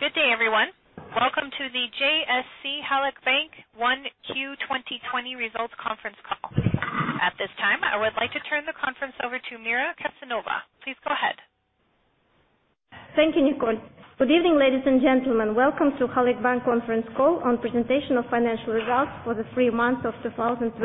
Good day, everyone. Welcome to the JSC Halyk Bank 1Q 2020 results conference call. At this time, I would like to turn the conference over to Mira Kassenova. Please go ahead. Thank you, Nicole. Good evening, ladies and gentlemen. Welcome to Halyk Bank conference call on presentation of financial results for the three months of 2020.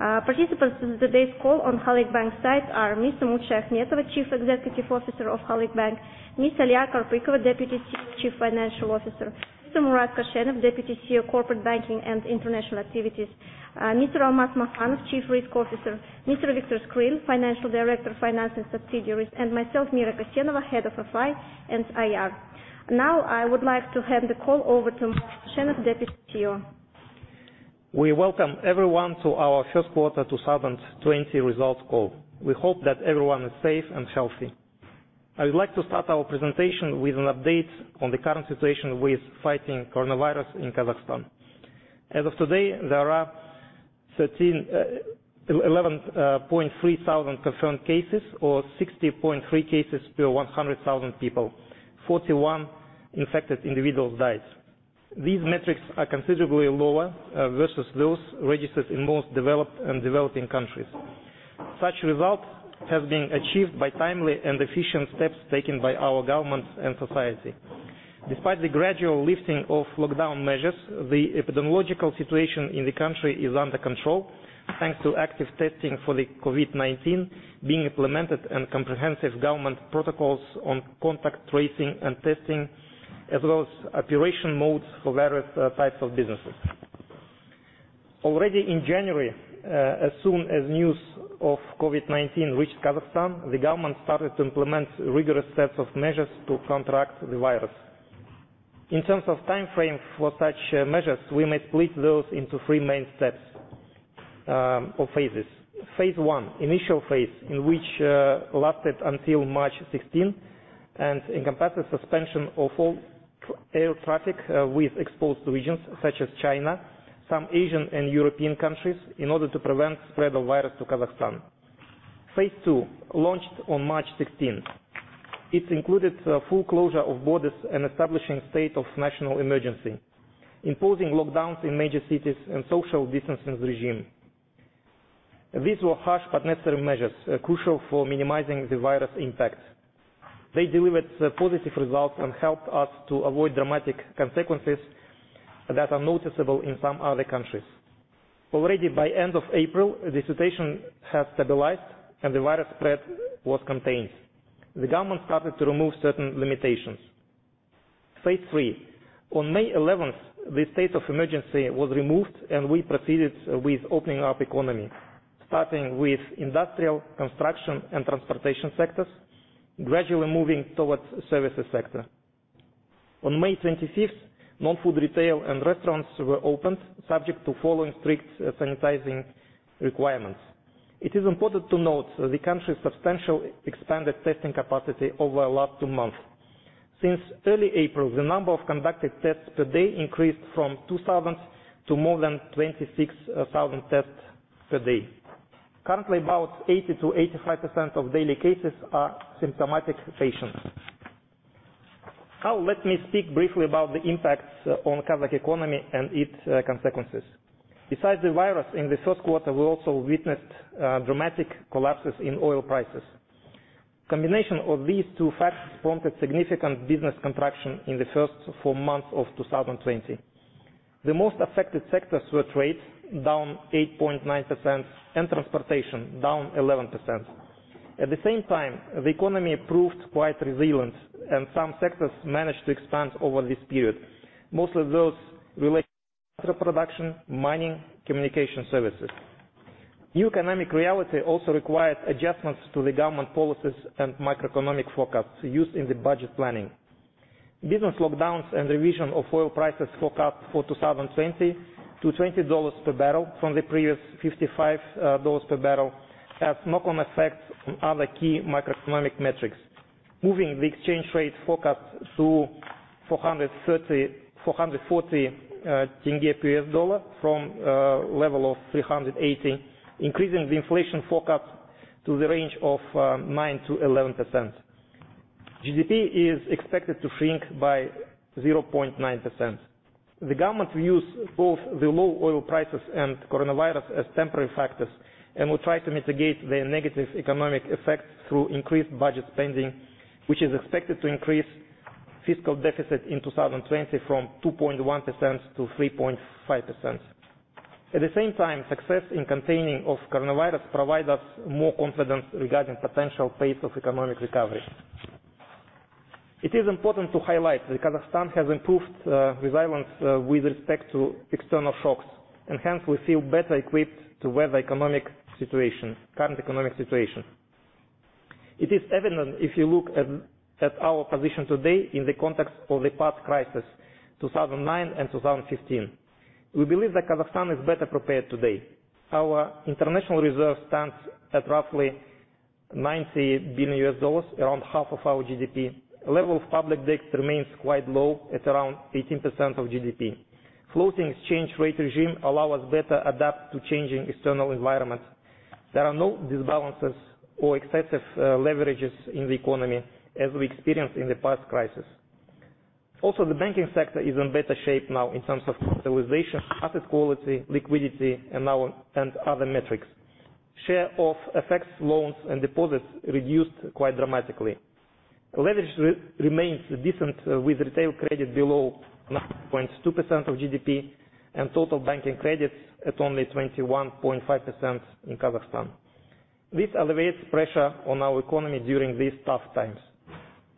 Participants in today's call on Halyk Bank side are Ms. Umut Shayakhmetova, Chief Executive Officer of Halyk Bank; Ms. Aliya Karpykova, Deputy Chief Financial Officer; Mr. Murat Koshenov, Deputy CEO, Corporate Banking and International Activities; Mr. Almas Makhanov, Chief Risk Officer; Mr. Viktor Skryl, Financial Director of Finance and Subsidiaries; and myself, Mira Kassenova, Head of FI and IR. I would like to hand the call over to Mr. Koshenov, Deputy CEO. We welcome everyone to our first quarter 2020 results call. We hope that everyone is safe and healthy. I would like to start our presentation with an update on the current situation with fighting coronavirus in Kazakhstan. As of today, there are 11,300 confirmed cases or 60.3 cases per 100,000 people. 41 infected individuals died. These metrics are considerably lower versus those registered in most developed and developing countries. Such result has been achieved by timely and efficient steps taken by our government and society. Despite the gradual lifting of lockdown measures, the epidemiological situation in the country is under control, thanks to active testing for the COVID-19 being implemented, and comprehensive government protocols on contact tracing and testing, as well as operation modes for various types of businesses. Already in January, as soon as news of COVID-19 reached Kazakhstan, the government started to implement rigorous sets of measures to counteract the virus. In terms of timeframe for such measures, we may split those into three main steps or phases. Phase I, initial phase, which lasted until March 16, and encompasses suspension of all air traffic with exposed regions such as China, some Asian and European countries, in order to prevent spread of virus to Kazakhstan. Phase II launched on March 16. It included full closure of borders and establishing state of national emergency, imposing lockdowns in major cities and social distancing regime. These were harsh but necessary measures, crucial for minimizing the virus impact. They delivered positive results and helped us to avoid dramatic consequences that are noticeable in some other countries. Already by end of April, the situation has stabilized and the virus spread was contained. The government started to remove certain limitations. Phase III. On May 11th, the state of emergency was removed, and we proceeded with opening up economy, starting with industrial, construction, and transportation sectors, gradually moving towards services sector. On May 25th, non-food retail and restaurants were opened, subject to following strict sanitizing requirements. It is important to note the country's substantial expanded testing capacity over the last two months. Since early April, the number of conducted tests per day increased from 2,000 to more than 26,000 tests per day. Currently, about 80%-85% of daily cases are symptomatic patients. Now, let me speak briefly about the impacts on Kazakh economy and its consequences. Besides the virus, in the first quarter, we also witnessed dramatic collapses in oil prices. Combination of these two factors prompted significant business contraction in the first four months of 2020. The most affected sectors were trade, down 8.9%, and transportation, down 11%. At the same time, the economy proved quite resilient, and some sectors managed to expand over this period, mostly those related to production, mining, communication services. New economic reality also required adjustments to the government policies and macroeconomic forecasts used in the budget planning. Business lockdowns and revision of oil prices forecast for 2020 to $20 per barrel from the previous $55 per barrel has knock-on effects on other key macroeconomic metrics. Moving the exchange rate forecast to KZT 430-440 per US dollar from a level of KZT 380, increasing the inflation forecast to the range of 9%-11%. GDP is expected to shrink by 0.9%. The government views both the low oil prices and coronavirus as temporary factors and will try to mitigate their negative economic effects through increased budget spending, which is expected to increase fiscal deficit in 2020 from 2.1% to 3.5%. At the same time, success in containing of coronavirus provide us more confidence regarding potential pace of economic recovery. It is important to highlight that Kazakhstan has improved resilience with respect to external shocks, and hence we feel better equipped to weather current economic situation. It is evident if you look at our position today in the context of the past crisis, 2009 and 2015. We believe that Kazakhstan is better prepared today. Our international reserve stands at roughly $90 billion, around half of our GDP. Level of public debt remains quite low, at around 18% of GDP. Floating exchange rate regime allow us better adapt to changing external environments. There are no disbalances or excessive leverages in the economy as we experienced in the past crisis. Also, the banking sector is in better shape now in terms of capitalization, asset quality, liquidity, and other metrics. Share of FX loans and deposits reduced quite dramatically. Leverage remains decent with retail credit below 9.2% of GDP and total banking credits at only 21.5% in Kazakhstan. This alleviates pressure on our economy during these tough times.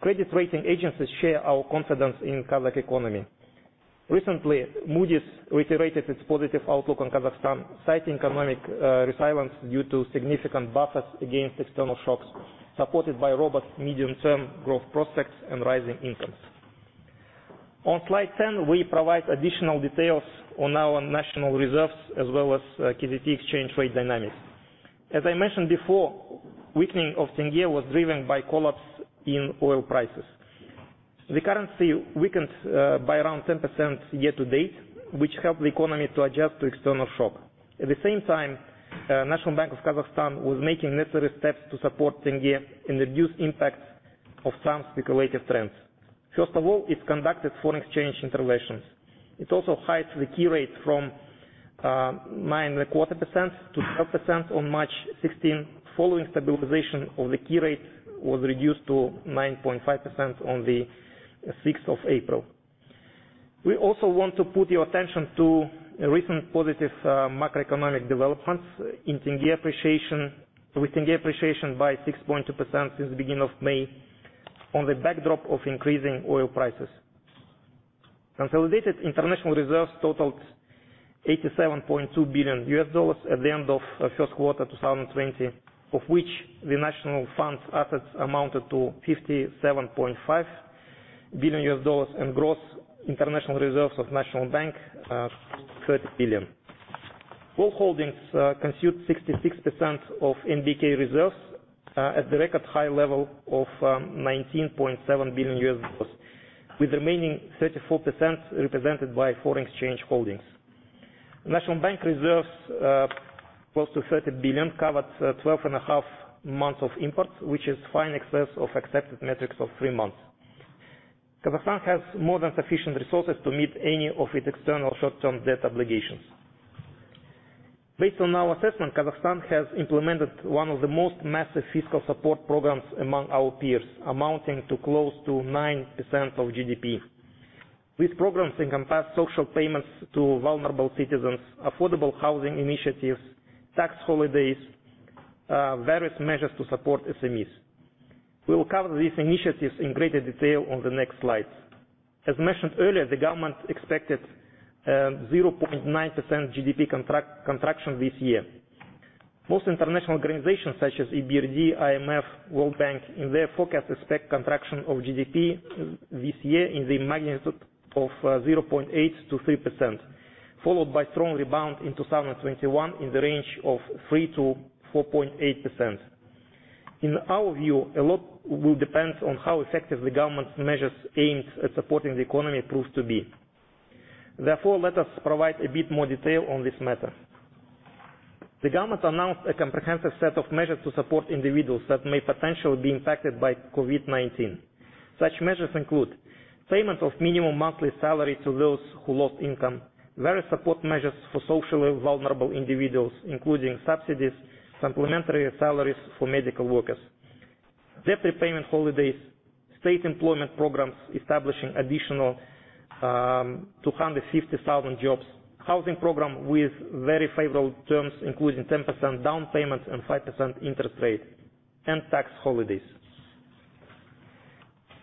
Credit rating agencies share our confidence in Kazakh economy. Recently, Moody's reiterated its positive outlook on Kazakhstan, citing economic resilience due to significant buffers against external shocks, supported by robust medium-term growth prospects and rising incomes. On slide 10, we provide additional details on our national reserves as well as KZT exchange rate dynamics. As I mentioned before, weakening of tenge was driven by collapse in oil prices. The currency weakened by around 10% year-to-date, which helped the economy to adjust to external shock. At the same time, National Bank of Kazakhstan was making necessary steps to support tenge and reduce impacts of some speculative trends. First of all, it conducted foreign exchange interventions. It also hiked the key rate from 9.4% to 12% on March 16. Following stabilization of the key rate, the key rate was reduced to 9.5% on the 6th of April. We also want to put your attention to recent positive macroeconomic developments with tenge appreciation by 6.2% since the beginning of May on the backdrop of increasing oil prices. Consolidated international reserves totaled $87.2 billion at the end of first quarter 2020, of which the National Fund's assets amounted to $57.5 billion, and gross international reserves of National Bank, $30 billion. Gold holdings constitute 66% of NBK reserves at the record high level of $19.7 billion, with the remaining 34% represented by foreign exchange holdings. National Bank reserves, close to $30 billion covered 12.5 months of imports, which is fine excess of accepted metrics of three months. Kazakhstan has more than sufficient resources to meet any of its external short-term debt obligations. Based on our assessment, Kazakhstan has implemented one of the most massive fiscal support programs among our peers, amounting to close to 9% of GDP. These programs encompass social payments to vulnerable citizens, affordable housing initiatives, tax holidays, various measures to support SMEs. We will cover these initiatives in greater detail on the next slides. As mentioned earlier, the government expected 0.9% GDP contraction this year. Most international organizations such as EBRD, IMF, World Bank, in their forecast expect contraction of GDP this year in the magnitude of 0.8%-3%, followed by strong rebound in 2021 in the range of 3%-4.8%. In our view, a lot will depend on how effective the government's measures aimed at supporting the economy proves to be. Let us provide a bit more detail on this matter. The government announced a comprehensive set of measures to support individuals that may potentially be impacted by COVID-19. Such measures include payment of minimum monthly salary to those who lost income, various support measures for socially vulnerable individuals, including subsidies, supplementary salaries for medical workers, debt repayment holidays, state employment programs establishing additional 250,000 jobs, housing program with very favorable terms, including 10% down payment and 5% interest rate, and tax holidays.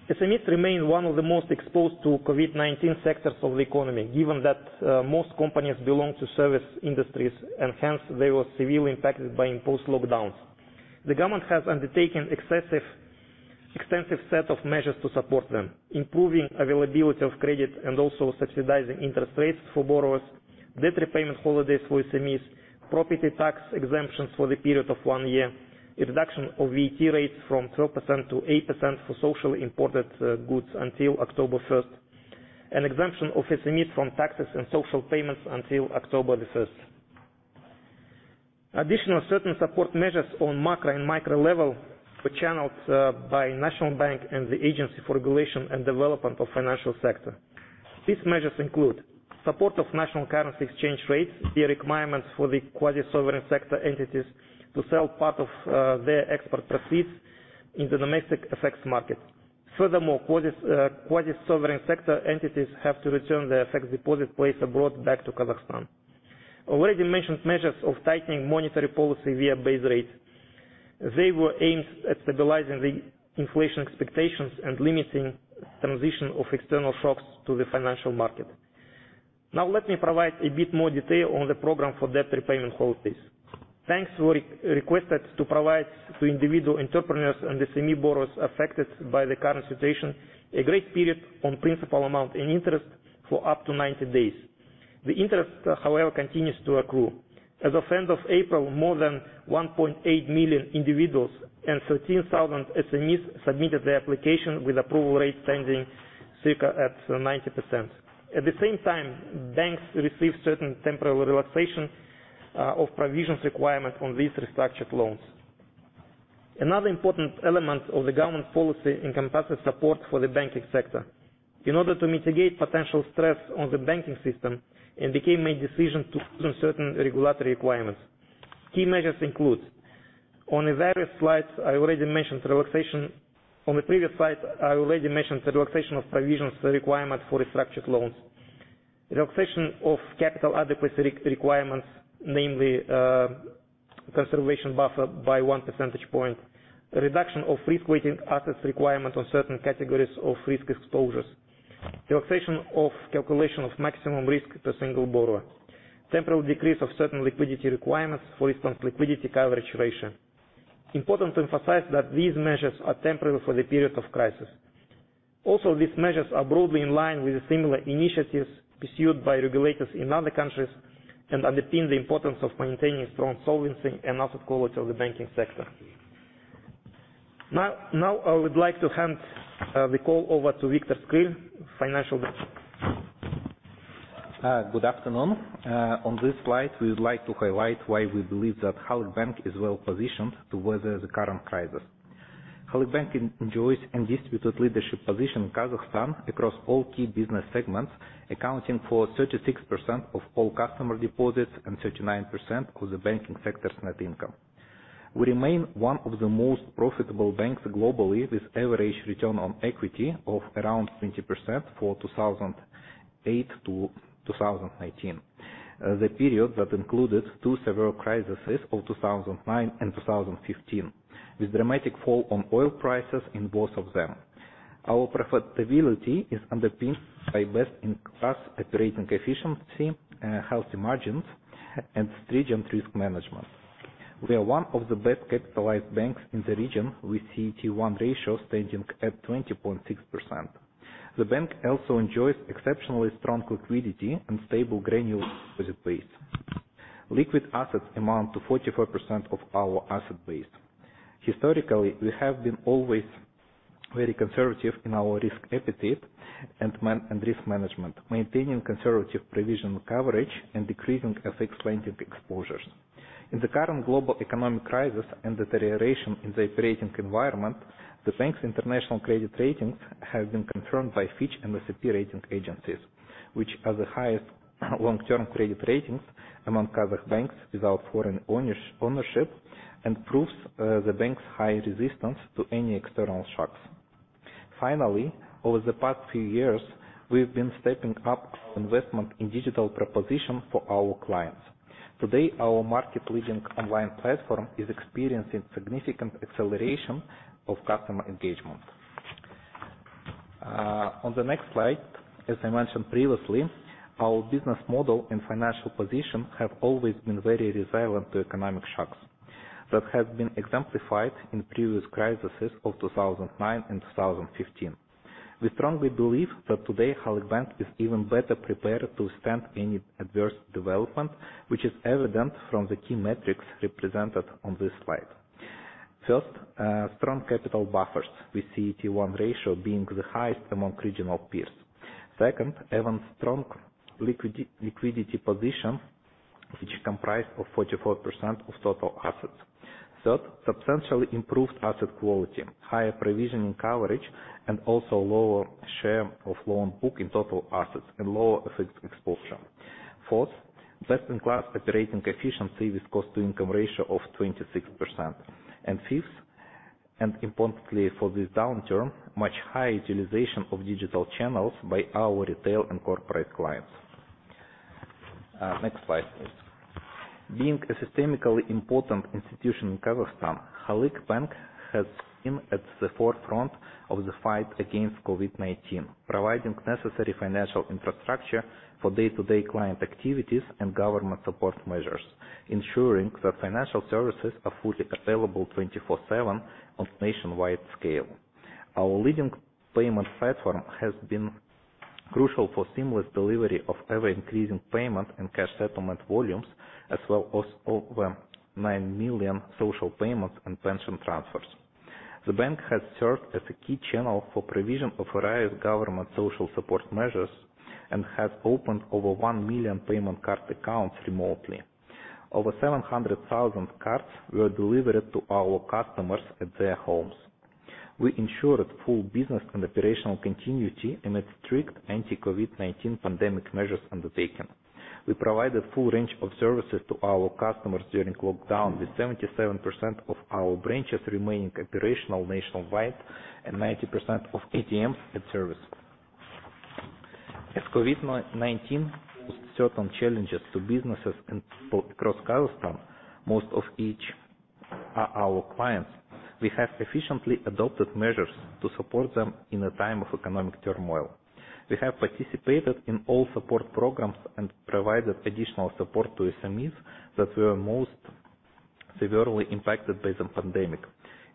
SMEs remain one of the most exposed to COVID-19 sectors of the economy, given that most companies belong to service industries, and hence they were severely impacted by imposed lockdowns. The government has undertaken extensive set of measures to support them, improving availability of credit and also subsidizing interest rates for borrowers, debt repayment holidays for SMEs, property tax exemptions for the period of one year, a reduction of VAT rates from 12% to 8% for socially imported goods until October 1st, an exemption of SMEs from taxes and social payments until October the 1st. Additional certain support measures on macro and micro level were channeled by National Bank and the Agency for Regulation and Development of the Financial sector. These measures include support of national currency exchange rates via requirements for the quasi-sovereign sector entities to sell part of their export proceeds in the domestic FX market. Furthermore, quasi-sovereign sector entities have to return their FX deposit placed abroad back to Kazakhstan. Already mentioned measures of tightening monetary policy via base rates. They were aimed at stabilizing the inflation expectations and limiting transition of external shocks to the financial market. Now, let me provide a bit more detail on the program for debt repayment holidays. Banks were requested to provide to individual entrepreneurs and SME borrowers affected by the current situation a grace period on principal amount and interest for up to 90 days. The interest, however, continues to accrue. As of end of April, more than 1.8 million individuals and 13,000 SMEs submitted their application with approval rate standing circa at 90%. At the same time, banks received certain temporary relaxation of provisions requirement on these restructured loans. Another important element of the government policy encompasses support for the banking sector. In order to mitigate potential stress on the banking system, NBK made decisions to certain regulatory requirements. Key measures include, on the previous slide, I already mentioned the relaxation of provisions requirement for restructured loans. Relaxation of capital adequacy requirements, namely conservation buffer by one percentage point. Reduction of risk weighting assets requirement on certain categories of risk exposures. Relaxation of calculation of maximum risk to a single borrower. Temporal decrease of certain liquidity requirements, for instance, liquidity coverage ratio. Important to emphasize that these measures are temporary for the period of crisis. Also, these measures are broadly in line with the similar initiatives pursued by regulators in other countries and underpin the importance of maintaining strong solvency and asset quality of the banking sector. Now, I would like to hand the call over to Viktor Skryl, Financial Director. Good afternoon. On this slide, we would like to highlight why we believe that Halyk Bank is well positioned to weather the current crisis. Halyk Bank enjoys undisputed leadership position in Kazakhstan across all key business segments, accounting for 36% of all customer deposits and 39% of the banking sector's net income. We remain one of the most profitable banks globally, with average return on equity of around 20% for 2008-2019, the period that included two severe crises of 2009 and 2015, with dramatic fall on oil prices in both of them. Our profitability is underpinned by best in class operating efficiency, healthy margins, and stringent risk management. We are one of the best capitalized banks in the region with CET1 ratio standing at 20.6%. The bank also enjoys exceptionally strong liquidity and stable granular deposit base. Liquid assets amount to 44% of our asset base. Historically, we have been always very conservative in our risk appetite and risk management, maintaining conservative provision coverage and decreasing FX lending exposures. In the current global economic crisis and deterioration in the operating environment, the bank's international credit ratings have been confirmed by Fitch and S&P rating agencies, which are the highest long-term credit ratings among Kazakh banks without foreign ownership and proves the bank's high resistance to any external shocks. Finally, over the past few years, we've been stepping up our investment in digital proposition for our clients. Today, our market leading online platform is experiencing significant acceleration of customer engagement. On the next slide, as I mentioned previously, our business model and financial position have always been very resilient to economic shocks. That has been exemplified in previous crises of 2009 and 2015. We strongly believe that today, Halyk Bank is even better prepared to withstand any adverse development, which is evident from the key metrics represented on this slide. First, strong capital buffers with CET1 ratio being the highest among regional peers. Second, even strong liquidity position, which comprised of 44% of total assets. Third, substantially improved asset quality, higher provisioning coverage, and also lower share of loan book in total assets and lower FX exposure. Fourth, best in class operating efficiency with cost-to-income ratio of 26%. Fifth, and importantly for this downturn, much higher utilization of digital channels by our retail and corporate clients. Next slide, please. Being a systemically important institution in Kazakhstan, Halyk Bank has been at the forefront of the fight against COVID-19, providing necessary financial infrastructure for day-to-day client activities and government support measures, ensuring that financial services are fully available 24/7 on nationwide scale. Our leading payment platform has been crucial for seamless delivery of ever-increasing payment and cash settlement volumes, as well as over 9 million social payments and pension transfers. The bank has served as a key channel for provision of various government social support measures and has opened over 1 million payment card accounts remotely. Over 700,000 cards were delivered to our customers at their homes. We ensured full business and operational continuity amid strict anti-COVID-19 pandemic measures undertaken. We provided full range of services to our customers during lockdown, with 77% of our branches remaining operational nationwide and 90% of ATMs at service. As COVID-19 posed certain challenges to businesses and people across Kazakhstan, most of each are our clients. We have efficiently adopted measures to support them in a time of economic turmoil. We have participated in all support programs and provided additional support to SMEs that were most severely impacted by the pandemic,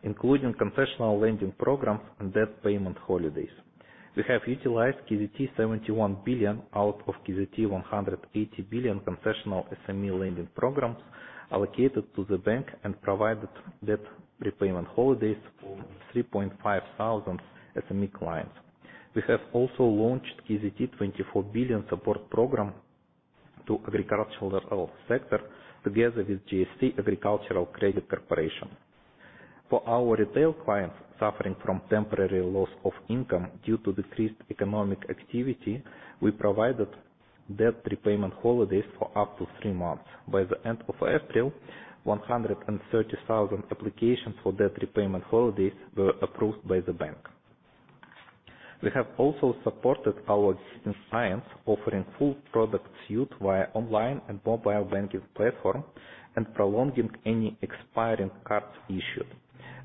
including concessional lending programs and debt payment holidays. We have utilized KZT 71 billion out of KZT 180 billion concessional SME lending programs allocated to the bank and provided debt repayment holidays for 3,500 SME clients. We have also launched KZT 24 billion support program to agricultural sector together with JSC Agricultural Credit Corporation. For our retail clients suffering from temporary loss of income due to decreased economic activity, we provided debt repayment holidays for up to three months. By the end of April, 130,000 applications for debt repayment holidays were approved by the bank. We have also supported our clients offering full product suite via online and mobile banking platform and prolonging any expiring cards issued,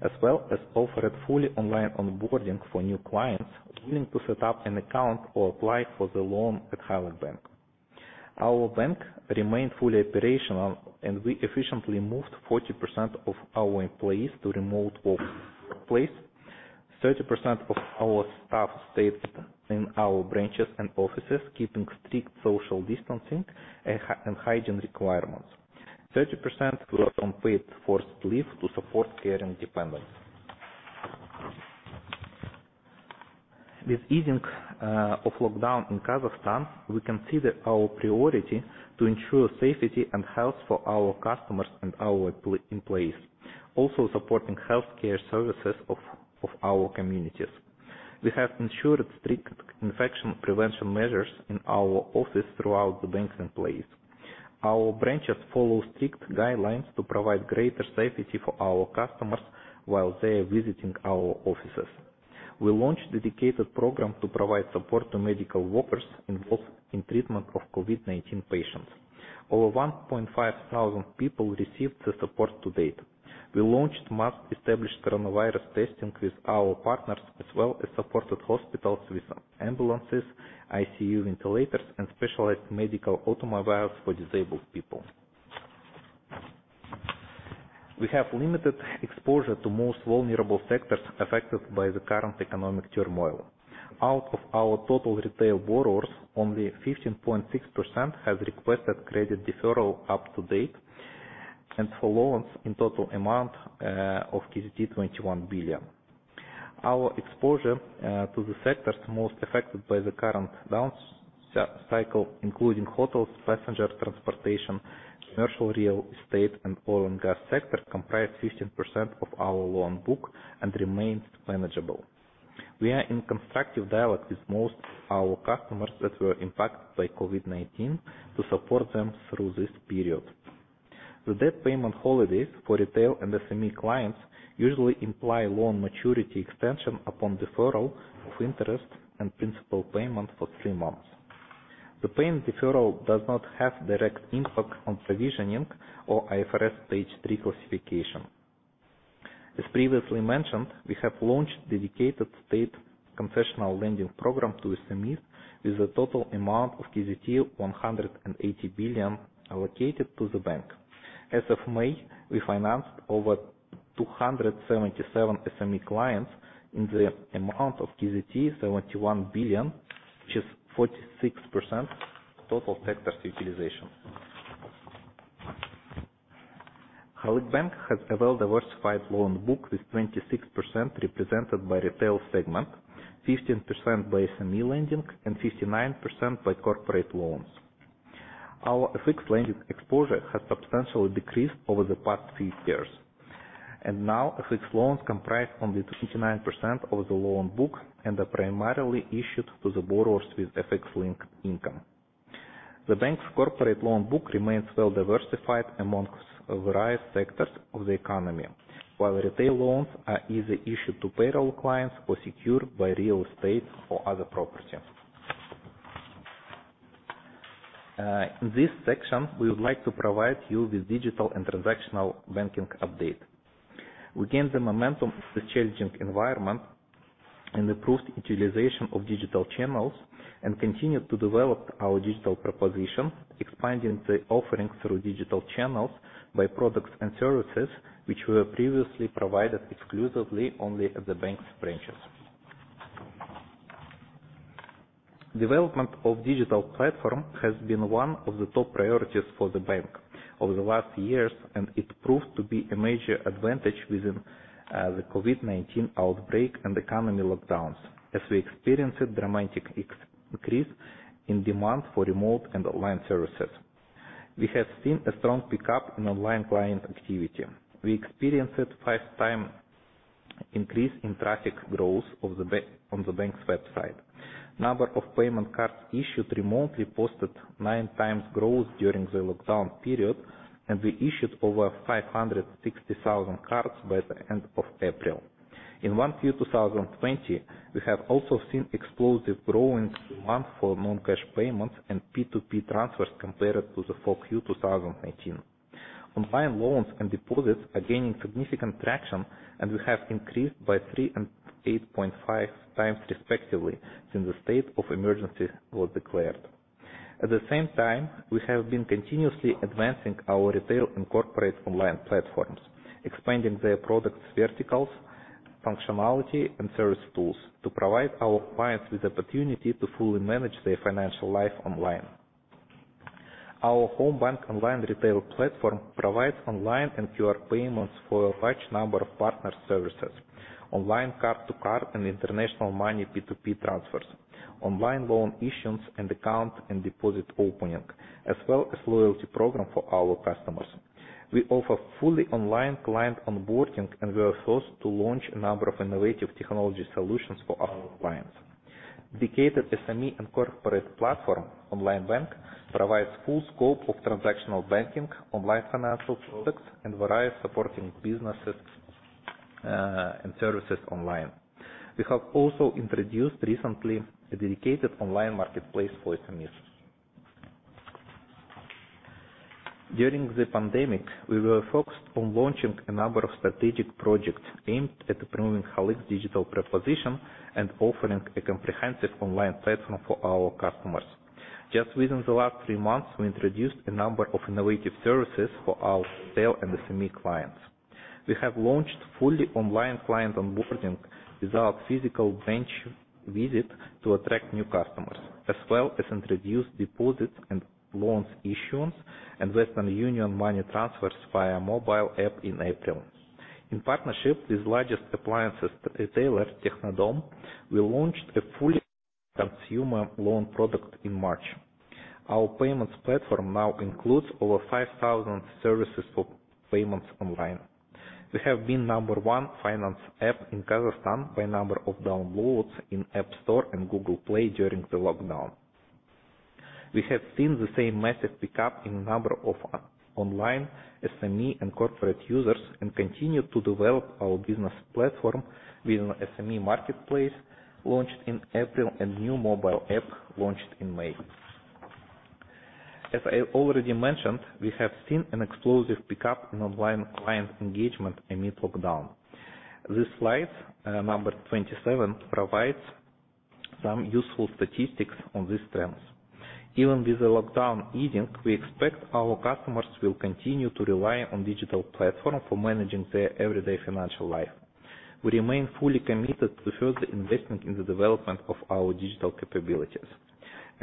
as well as offered fully online onboarding for new clients looking to set up an account or apply for the loan at Halyk Bank. Our bank remained fully operational, and we efficiently moved 40% of our employees to remote workplace. 30% of our staff stayed in our branches and offices, keeping strict social distancing and hygiene requirements. 30% were on paid forced leave to support caring dependents. With easing of lockdown in Kazakhstan, we consider our priority to ensure safety and health for our customers and our employees, also supporting healthcare services of our communities. We have ensured strict infection prevention measures in our office throughout the bank's employees. Our branches follow strict guidelines to provide greater safety for our customers while they're visiting our offices. We launched dedicated program to provide support to medical workers involved in treatment of COVID-19 patients. Over 1,500 people received the support to-date. We launched mass established coronavirus testing with our partners, as well as supported hospitals with ambulances, ICU ventilators, and specialized medical automobiles for disabled people. We have limited exposure to most vulnerable sectors affected by the current economic turmoil. Out of our total retail borrowers, only 15.6% have requested credit deferral up to date, and for loans in total amount of KZT 21 billion. Our exposure to the sectors most affected by the current down cycle, including hotels, passenger transportation, commercial real estate, and oil and gas sector comprised 15% of our loan book and remains manageable. We are in constructive dialogue with most our customers that were impacted by COVID-19 to support them through this period. The debt payment holidays for retail and SME clients usually imply loan maturity extension upon deferral of interest and principal payment for three months. The payment deferral does not have direct impact on provisioning or IFRS Stage 3 classification. As previously mentioned, we have launched dedicated state concessional lending program to SMEs with a total amount of KZT 180 billion allocated to the bank. As of May, we financed over 277 SME clients in the amount of KZT 71 billion, which is 46% total sector's utilization. Halyk Bank has a well-diversified loan book with 26% represented by retail segment, 15% by SME lending, and 59% by corporate loans. Our FX lending exposure has substantially decreased over the past few years. Now FX loans comprise only 29% of the loan book and are primarily issued to the borrowers with FX-linked income. The bank's corporate loan book remains well diversified among various sectors of the economy. While retail loans are either issued to payroll clients or secured by real estate or other property. In this section, we would like to provide you with digital and transactional banking update. We gained the momentum of this challenging environment and improved utilization of digital channels, and continued to develop our digital proposition, expanding the offering through digital channels by products and services, which were previously provided exclusively only at the bank's branches. Development of digital platform has been one of the top priorities for the bank over the last years, and it proved to be a major advantage within the COVID-19 outbreak and economy lockdowns, as we experienced dramatic increase in demand for remote and online services. We have seen a strong pickup in online client activity. We experienced five times increase in traffic growth on the bank's website. Number of payment cards issued remotely posted nine times growth during the lockdown period, and we issued over 560,000 cards by the end of April. In 1Q 2020, we have also seen explosive growth demand for non-cash payments and P2P transfers compared to the 4Q 2019. Online loans and deposits are gaining significant traction, and we have increased by 3x and 8.5x respectively since the state of emergency was declared. At the same time, we have been continuously advancing our retail and corporate online platforms, expanding their products verticals, functionality, and service tools to provide our clients with the opportunity to fully manage their financial life online. Our Homebank online retail platform provides online and QR payments for a large number of partner services, online card to card and international money P2P transfers, online loan issuance and account and deposit opening, as well as loyalty program for our customers. We offer fully online client onboarding, we are first to launch a number of innovative technology solutions for our clients. Dedicated SME and corporate platform Onlinebank provides full scope of transactional banking, online financial products, and various supporting businesses and services online. We have also introduced recently a dedicated online marketplace for SMEs. During the pandemic, we were focused on launching a number of strategic projects aimed at improving Halyk's digital proposition and offering a comprehensive online platform for our customers. Just within the last three months, we introduced a number of innovative services for our retail and SME clients. We have launched fully online client onboarding without physical branch visit to attract new customers, as well as introduced deposits and loans issuance, and Western Union money transfers via mobile app in April. In partnership with largest appliances retailer, Technodom, we launched a full consumer loan product in March. Our payments platform now includes over 5,000 services for payments online. We have been number one finance app in Kazakhstan by number of downloads in App Store and Google Play during the lockdown. We have seen the same massive pickup in the number of online SME and corporate users and continue to develop our business platform with an SME marketplace launched in April and new mobile app launched in May. As I already mentioned, we have seen an explosive pickup in online client engagement amid lockdown. This slide, number 27, provides some useful statistics on these trends. Even with the lockdown easing, we expect our customers will continue to rely on digital platform for managing their everyday financial life. We remain fully committed to further investment in the development of our digital capabilities.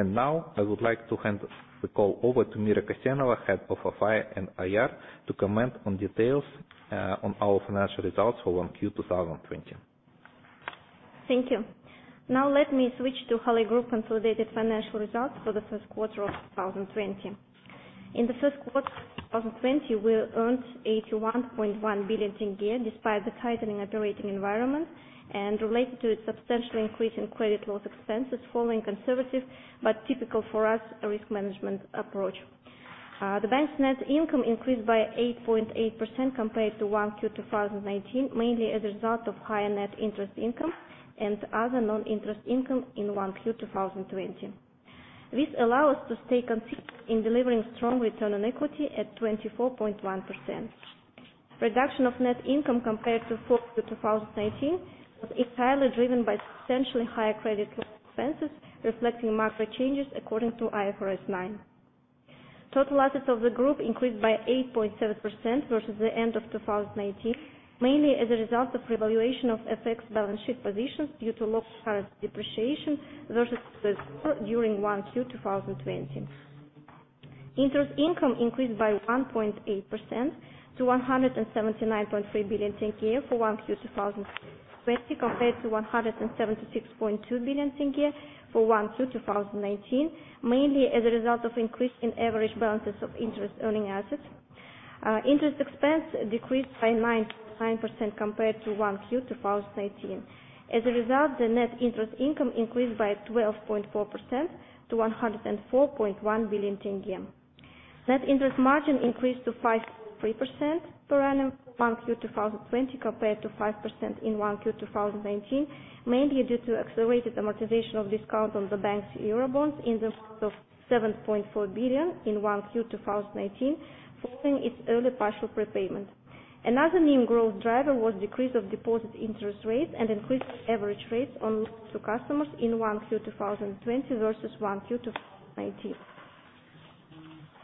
Now, I would like to hand the call over to Mira Kassenova, Head of FI and IR, to comment on details on our financial results for 1Q 2020. Thank you. Let me switch to Halyk Group consolidated financial results for the first quarter of 2020. In the first quarter of 2020, we earned KZT 81.1 billion despite the tightening operating environment and related to a substantial increase in credit loss expenses following conservative but typical for us risk management approach. The bank's net income increased by 8.8% compared to 1Q 2019, mainly as a result of higher net interest income and other non-interest income in 1Q 2020. This allow us to stay consistent in delivering strong return on equity at 24.1%. Reduction of net income compared to 4Q 2019 is highly driven by substantially higher credit loss expenses, reflecting market changes according to IFRS 9. Total assets of the Group increased by 8.7% versus the end of 2019, mainly as a result of revaluation of FX balance sheet positions due to low current depreciation versus the dollar during 1Q 2020. Interest income increased by 1.8% to KZT 179.3 billion for 1Q 2020 compared to KZT 176.2 billion for 1Q 2019, mainly as a result of increase in average balances of interest-earning assets. Interest expense decreased by 9.9% compared to 1Q 2019. The net interest income increased by 12.4% to KZT 104.1 billion. Net interest margin increased to 5.3% per annum 1Q 2020 compared to 5% in 1Q 2019, mainly due to accelerated amortization of discount on the bank's Eurobonds in the amount of KZT 7.4 billion in 1Q 2019, following its early partial prepayment. Another main growth driver was decrease of deposit interest rates and increased average rates on loans to customers in 1Q 2020 versus 1Q 2019.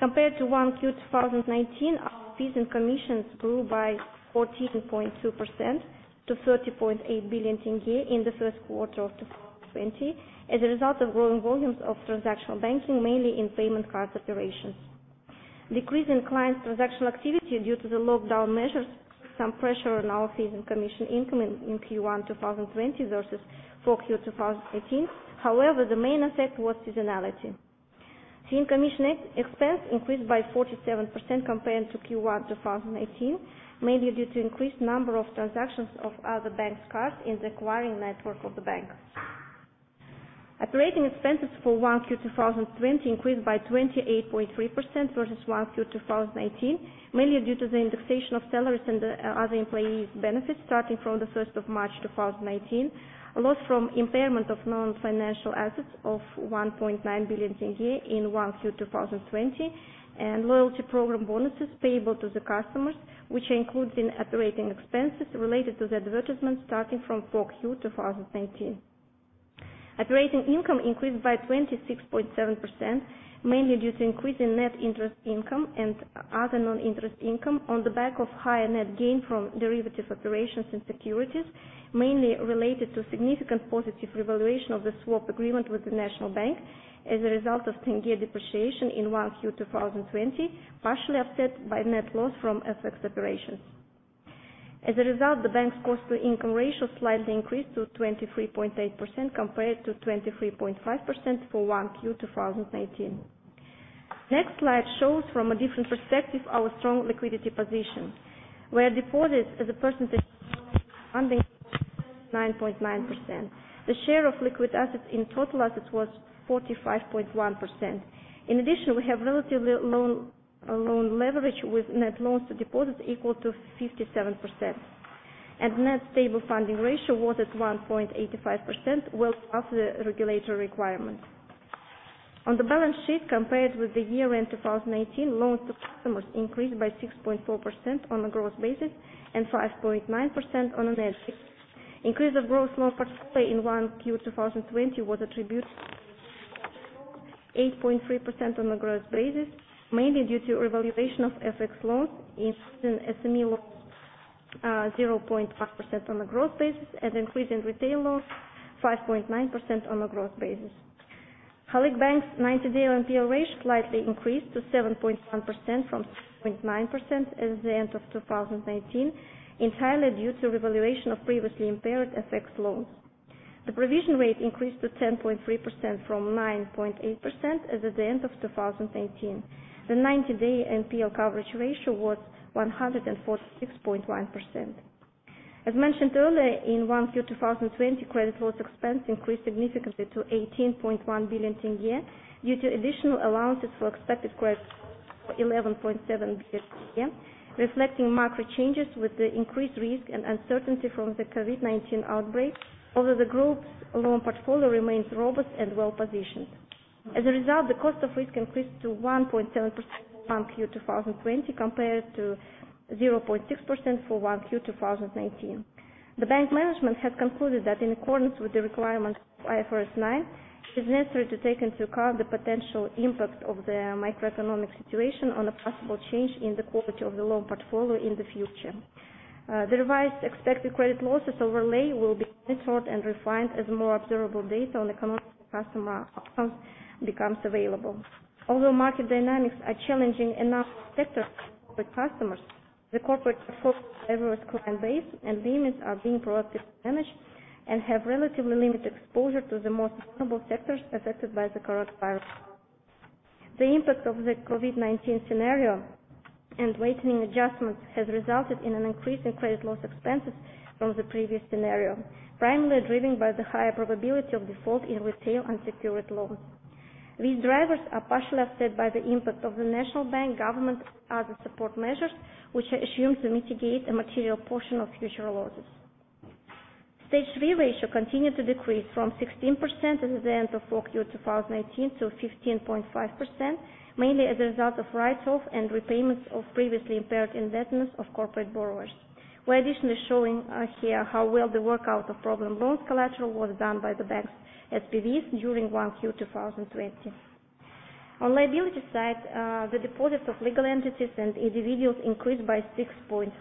Compared to 1Q 2019, our fees and commissions grew by 14.2% to KZT 30.8 billion in the first quarter of 2020 as a result of growing volumes of transactional banking, mainly in payment card operations. Decrease in clients' transactional activity due to the lockdown measures put some pressure on our fees and commission income in Q1 2020 versus 4Q 2019. The main effect was seasonality. Fee and commission expense increased by 47% compared to Q1 2019, mainly due to increased number of transactions of other banks' cards in the acquiring network of the bank. Operating expenses for 1Q 2020 increased by 28.3% versus 1Q 2019, mainly due to the indexation of salaries and other employees' benefits starting from the 1st of March 2019; a loss from impairment of non-financial assets of KZT 1.9 billion in 1Q 2020; and loyalty program bonuses payable to the customers, which includes in operating expenses related to the advertisement starting from 4Q 2019. Operating income increased by 26.7%, mainly due to increase in net interest income and other non-interest income on the back of higher net gain from derivative operations and securities, mainly related to significant positive revaluation of the swap agreement with the National Bank as a result of tenge depreciation in 1Q 2020, partially offset by net loss from FX operations. As a result, the bank's cost-to-income ratio slightly increased to 23.8% compared to 23.5% for 1Q 2019. Next slide shows from a different perspective our strong liquidity position, where deposits as a percentage of funding were 99.9%. The share of liquid assets in total assets was 45.1%. In addition, we have relatively low loan leverage with net loans to deposits equal to 57%, and net stable funding ratio was at 1.85%, well above the regulatory requirement. On the balance sheet, compared with the year-end 2019, loans to customers increased by 6.4% on a gross basis and 5.9% on a net basis. Increase of gross loan portfolio in Q1 2020 was attributed to 8.3% on a gross basis, mainly due to revaluation of FX loans, increase in SME loans, 0.5% on a gross basis, and increase in retail loans, 5.9% on a gross basis. Halyk Bank's 90-day NPL ratio slightly increased to 7.7% from 6.9% at the end of 2019, entirely due to revaluation of previously impaired FX loans. The provision rate increased to 10.3% from 9.8% as at the end of 2019. The 90-day NPL coverage ratio was 146.1%. As mentioned earlier, in 1Q 2020, credit loss expense increased significantly to KZT 18.1 billion due to additional allowances for expected credit loss for KZT 11.7 billion, reflecting macro changes with the increased risk and uncertainty from the COVID-19 outbreak, although the group's loan portfolio remains robust and well-positioned. As a result, the cost of risk increased to 1.7% in 1Q 2020 compared to 0.6% for 1Q 2019. The bank management has concluded that in accordance with the requirements of IFRS 9, it is necessary to take into account the potential impact of the macroeconomic situation on a possible change in the quality of the loan portfolio in the future. The revised expected credit losses overlay will be monitored and refined as more observable data on economic customer accounts becomes available. Although market dynamics are challenging in our sectors for corporate customers, the corporate portfolio's diverse client base and limits are being proactively managed and have relatively limited exposure to the most vulnerable sectors affected by the coronavirus. The impact of the COVID-19 scenario and weighting adjustments has resulted in an increase in credit loss expenses from the previous scenario, primarily driven by the higher probability of default in retail unsecured loans. These drivers are partially offset by the impact of the National Bank government other support measures, which are assumed to mitigate a material portion of future losses. Stage 3 ratio continued to decrease from 16% at the end of 4Q 2019 to 15.5%, mainly as a result of write-offs and repayments of previously impaired investments of corporate borrowers. We're additionally showing here how well the workout of problem loans collateral was done by the bank's SPVs during 1Q 2020. On liability side, the deposits of legal entities and individuals increased by 6.3%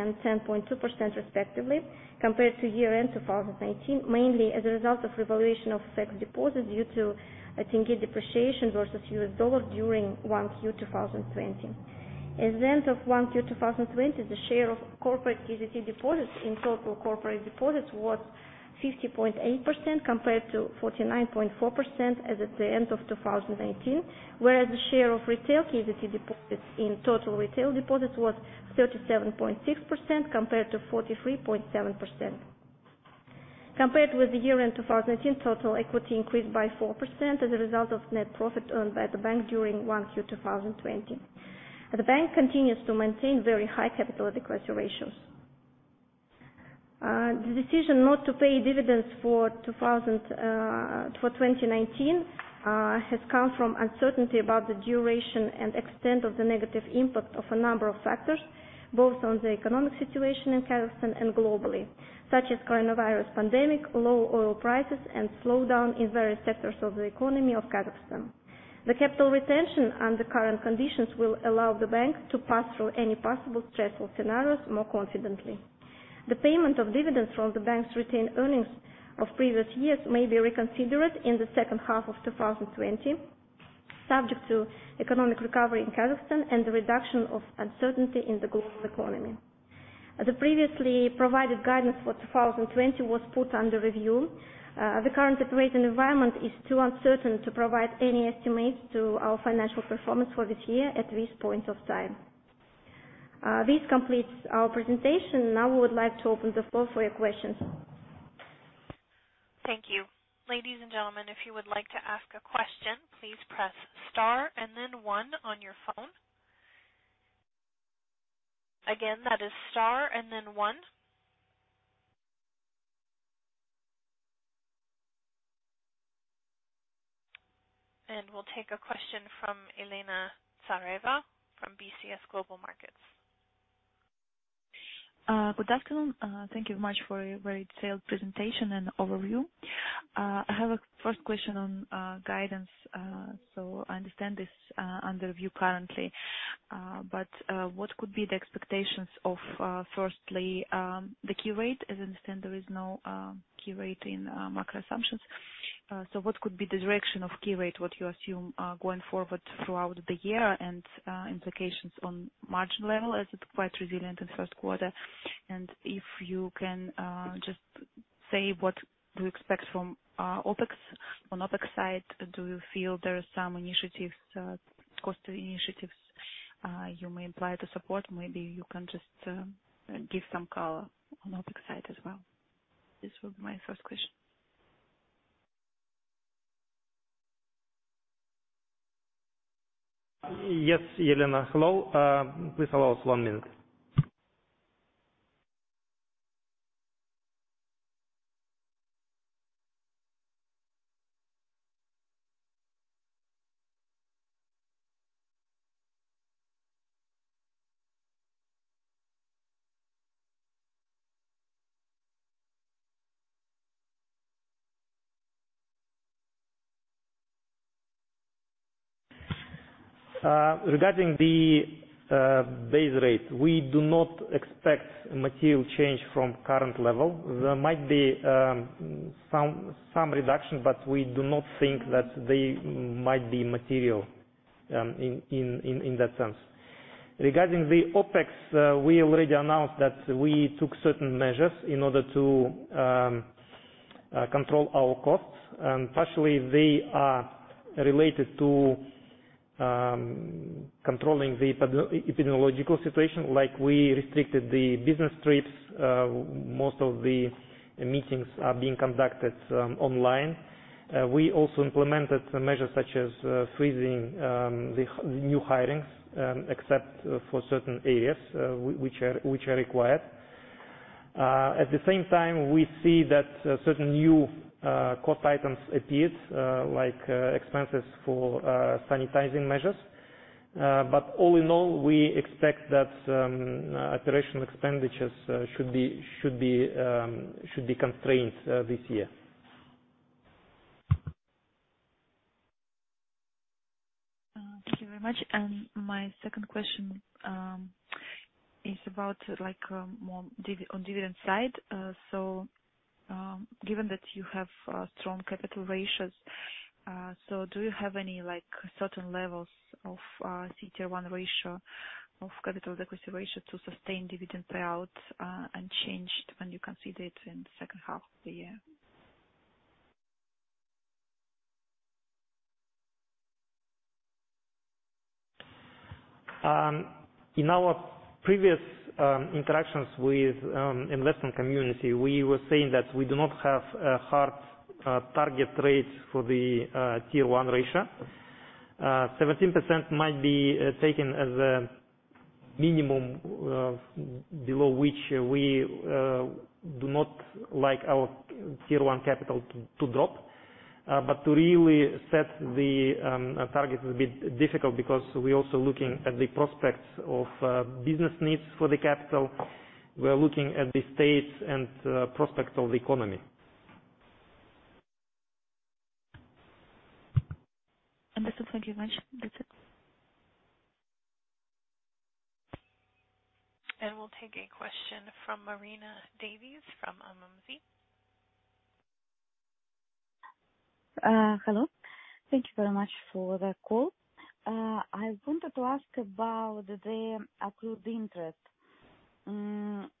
and 10.2% respectively, compared to year-end 2019, mainly as a result of revaluation of FX deposits due to tenge depreciation versus US dollar during 1Q 2020. At the end of 1Q 2020, the share of corporate KZT deposits in total corporate deposits was 50.8% compared to 49.4% as at the end of 2019, whereas the share of retail KZT deposits in total retail deposits was 37.6% compared to 43.7%. Compared with the year-end 2019, total equity increased by 4% as a result of net profit earned by the bank during 1Q 2020. The bank continues to maintain very high capital adequacy ratios. The decision not to pay dividends for 2019 has come from uncertainty about the duration and extent of the negative impact of a number of factors, both on the economic situation in Kazakhstan and globally, such as coronavirus pandemic, low oil prices, and slowdown in various sectors of the economy of Kazakhstan. The capital retention under current conditions will allow the bank to pass through any possible stressful scenarios more confidently. The payment of dividends from the bank's retained earnings of previous years may be reconsidered in the second half of 2020, subject to economic recovery in Kazakhstan and the reduction of uncertainty in the global economy. The previously provided guidance for 2020 was put under review. The current operating environment is too uncertain to provide any estimates to our financial performance for this year at this point of time. This completes our presentation. Now we would like to open the floor for your questions. Thank you. Ladies and gentlemen, if you would like to ask a question, please press star and then one on your phone. Again, that is star and then one. We'll take a question from Elena Tsareva from BCS Global Markets. Good afternoon. Thank you very much for a very detailed presentation and overview. I have a first question on guidance. I understand it's under review currently, but what could be the expectations of, firstly, the key rate? As I understand, there is no key rate in macro assumptions. What could be the direction of key rate, what you assume going forward throughout the year and implications on margin level as it's quite resilient in the first quarter? If you can just say what to expect from OpEx? On OpEx side, do you feel there are some initiatives, cost initiatives, you may apply to support? Maybe you can just give some color on OpEx side as well? This was my first question. Yes, Elena. Hello. Please allow us one minute. Regarding the base rate, we do not expect a material change from current level. There might be some reduction, but we do not think that they might be material in that sense. Regarding the OpEx, we already announced that we took certain measures in order to control our costs, and partially they are related to controlling the epidemiological situation. Like we restricted the business trips, most of the meetings are being conducted online. We also implemented measures such as freezing the new hirings except for certain areas which are required. At the same time, we see that certain new cost items appeared, like expenses for sanitizing measures. All in all, we expect that operational expenditures should be constrained this year. Thank you very much. My second question is about on dividend side. Given that you have strong capital ratios, do you have any certain levels of CET1 ratio of capital adequacy ratio to sustain dividend payouts unchanged when you consider it in the second half of the year? In our previous interactions with investment community, we were saying that we do not have a hard target rate for the Tier 1 ratio. 17% might be taken as a minimum below which we do not like our Tier 1 capital to drop. To really set the target will be difficult because we're also looking at the prospects of business needs for the capital. We're looking at the state and prospects of the economy. That's it. Thank you very much. That's it. We'll take a question from Marina Davies from MMZ. Hello. Thank you very much for the call. I wanted to ask about the accrued interest. I'm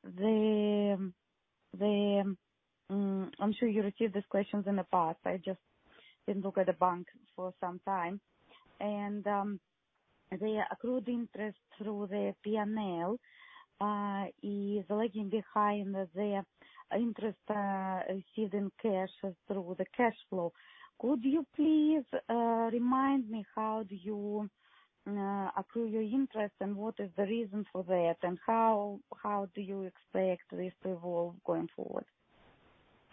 sure you received these questions in the past. I just didn't look at the bank for some time. The accrued interest through the P&L is lagging behind the interest received in cash through the cash flow. Could you please remind me how do you accrue your interest and what is the reason for that, and how do you expect this to evolve going forward?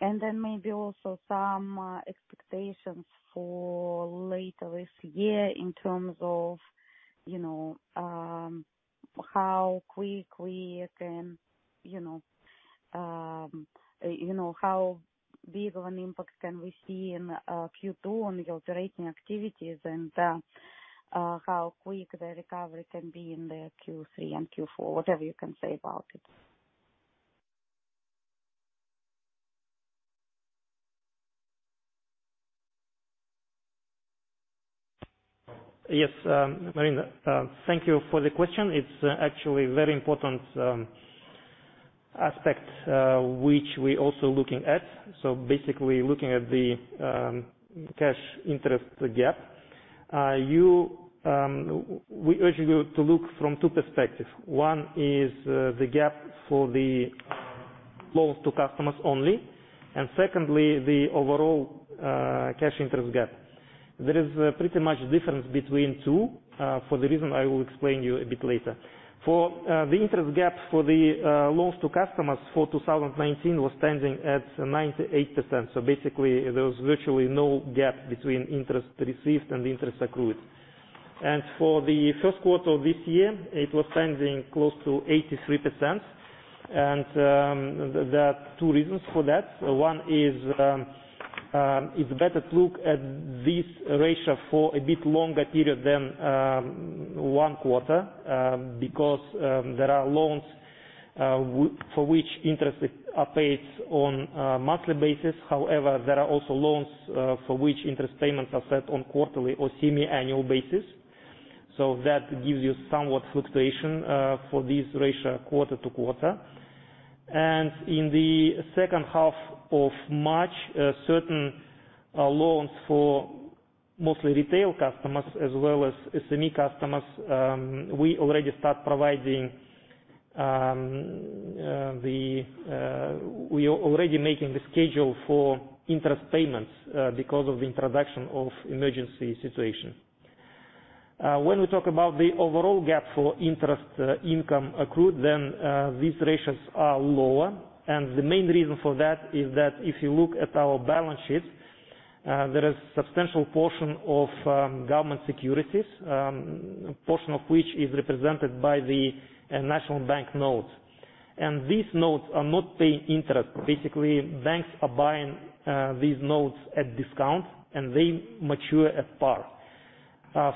Maybe also some expectations for later this year in terms of how big of an impact can we see in Q2 on your operating activities and how quick the recovery can be in the Q3 and Q4, whatever you can say about it. Yes, Marina, thank you for the question. It's actually very important aspect which we're also looking at. Basically looking at the cash interest gap. We urge you to look from two perspectives. One is the gap for the loans to customers only, and secondly, the overall cash interest gap. There is pretty much difference between two, for the reason I will explain to you a bit later. For the interest gap for the loans to customers for 2019 was standing at 98%. Basically, there was virtually no gap between interest received and interest accrued. For the first quarter of this year, it was standing close to 83%, and there are two reasons for that. One is, it's better to look at this ratio for a bit longer period than one quarter because there are loans for which interest are paid on a monthly basis. However, there are also loans for which interest payments are set on quarterly or semiannual basis. That gives you somewhat fluctuation for this ratio quarter to quarter. In the second half of March, certain loans for mostly retail customers as well as SME customers, we are already making the schedule for interest payments because of the introduction of emergency situation. When we talk about the overall gap for interest income accrued, these ratios are lower. The main reason for that is that if you look at our balance sheets, there is substantial portion of government securities, portion of which is represented by the National Bank notes. These notes are not paying interest. Basically, banks are buying these notes at discount, and they mature at par.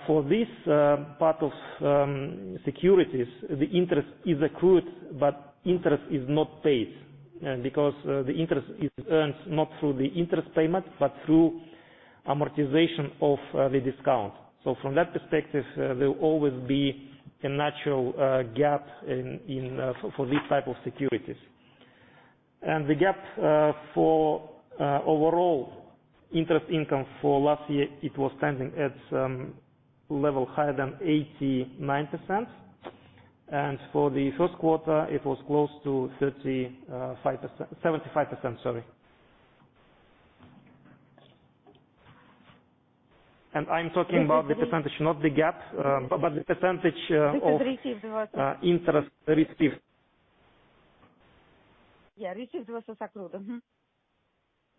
For this part of securities, the interest is accrued, but interest is not paid because the interest is earned not through the interest payment, but through amortization of the discount. From that perspective, there will always be a natural gap for this type of securities. The gap for overall interest income for last year, it was standing at level higher than 89%, and for the first quarter, it was close to 75%. I'm talking about the percentage, not the gap, but the percentage of- Received versus- interest received. Yeah, received versus accrued.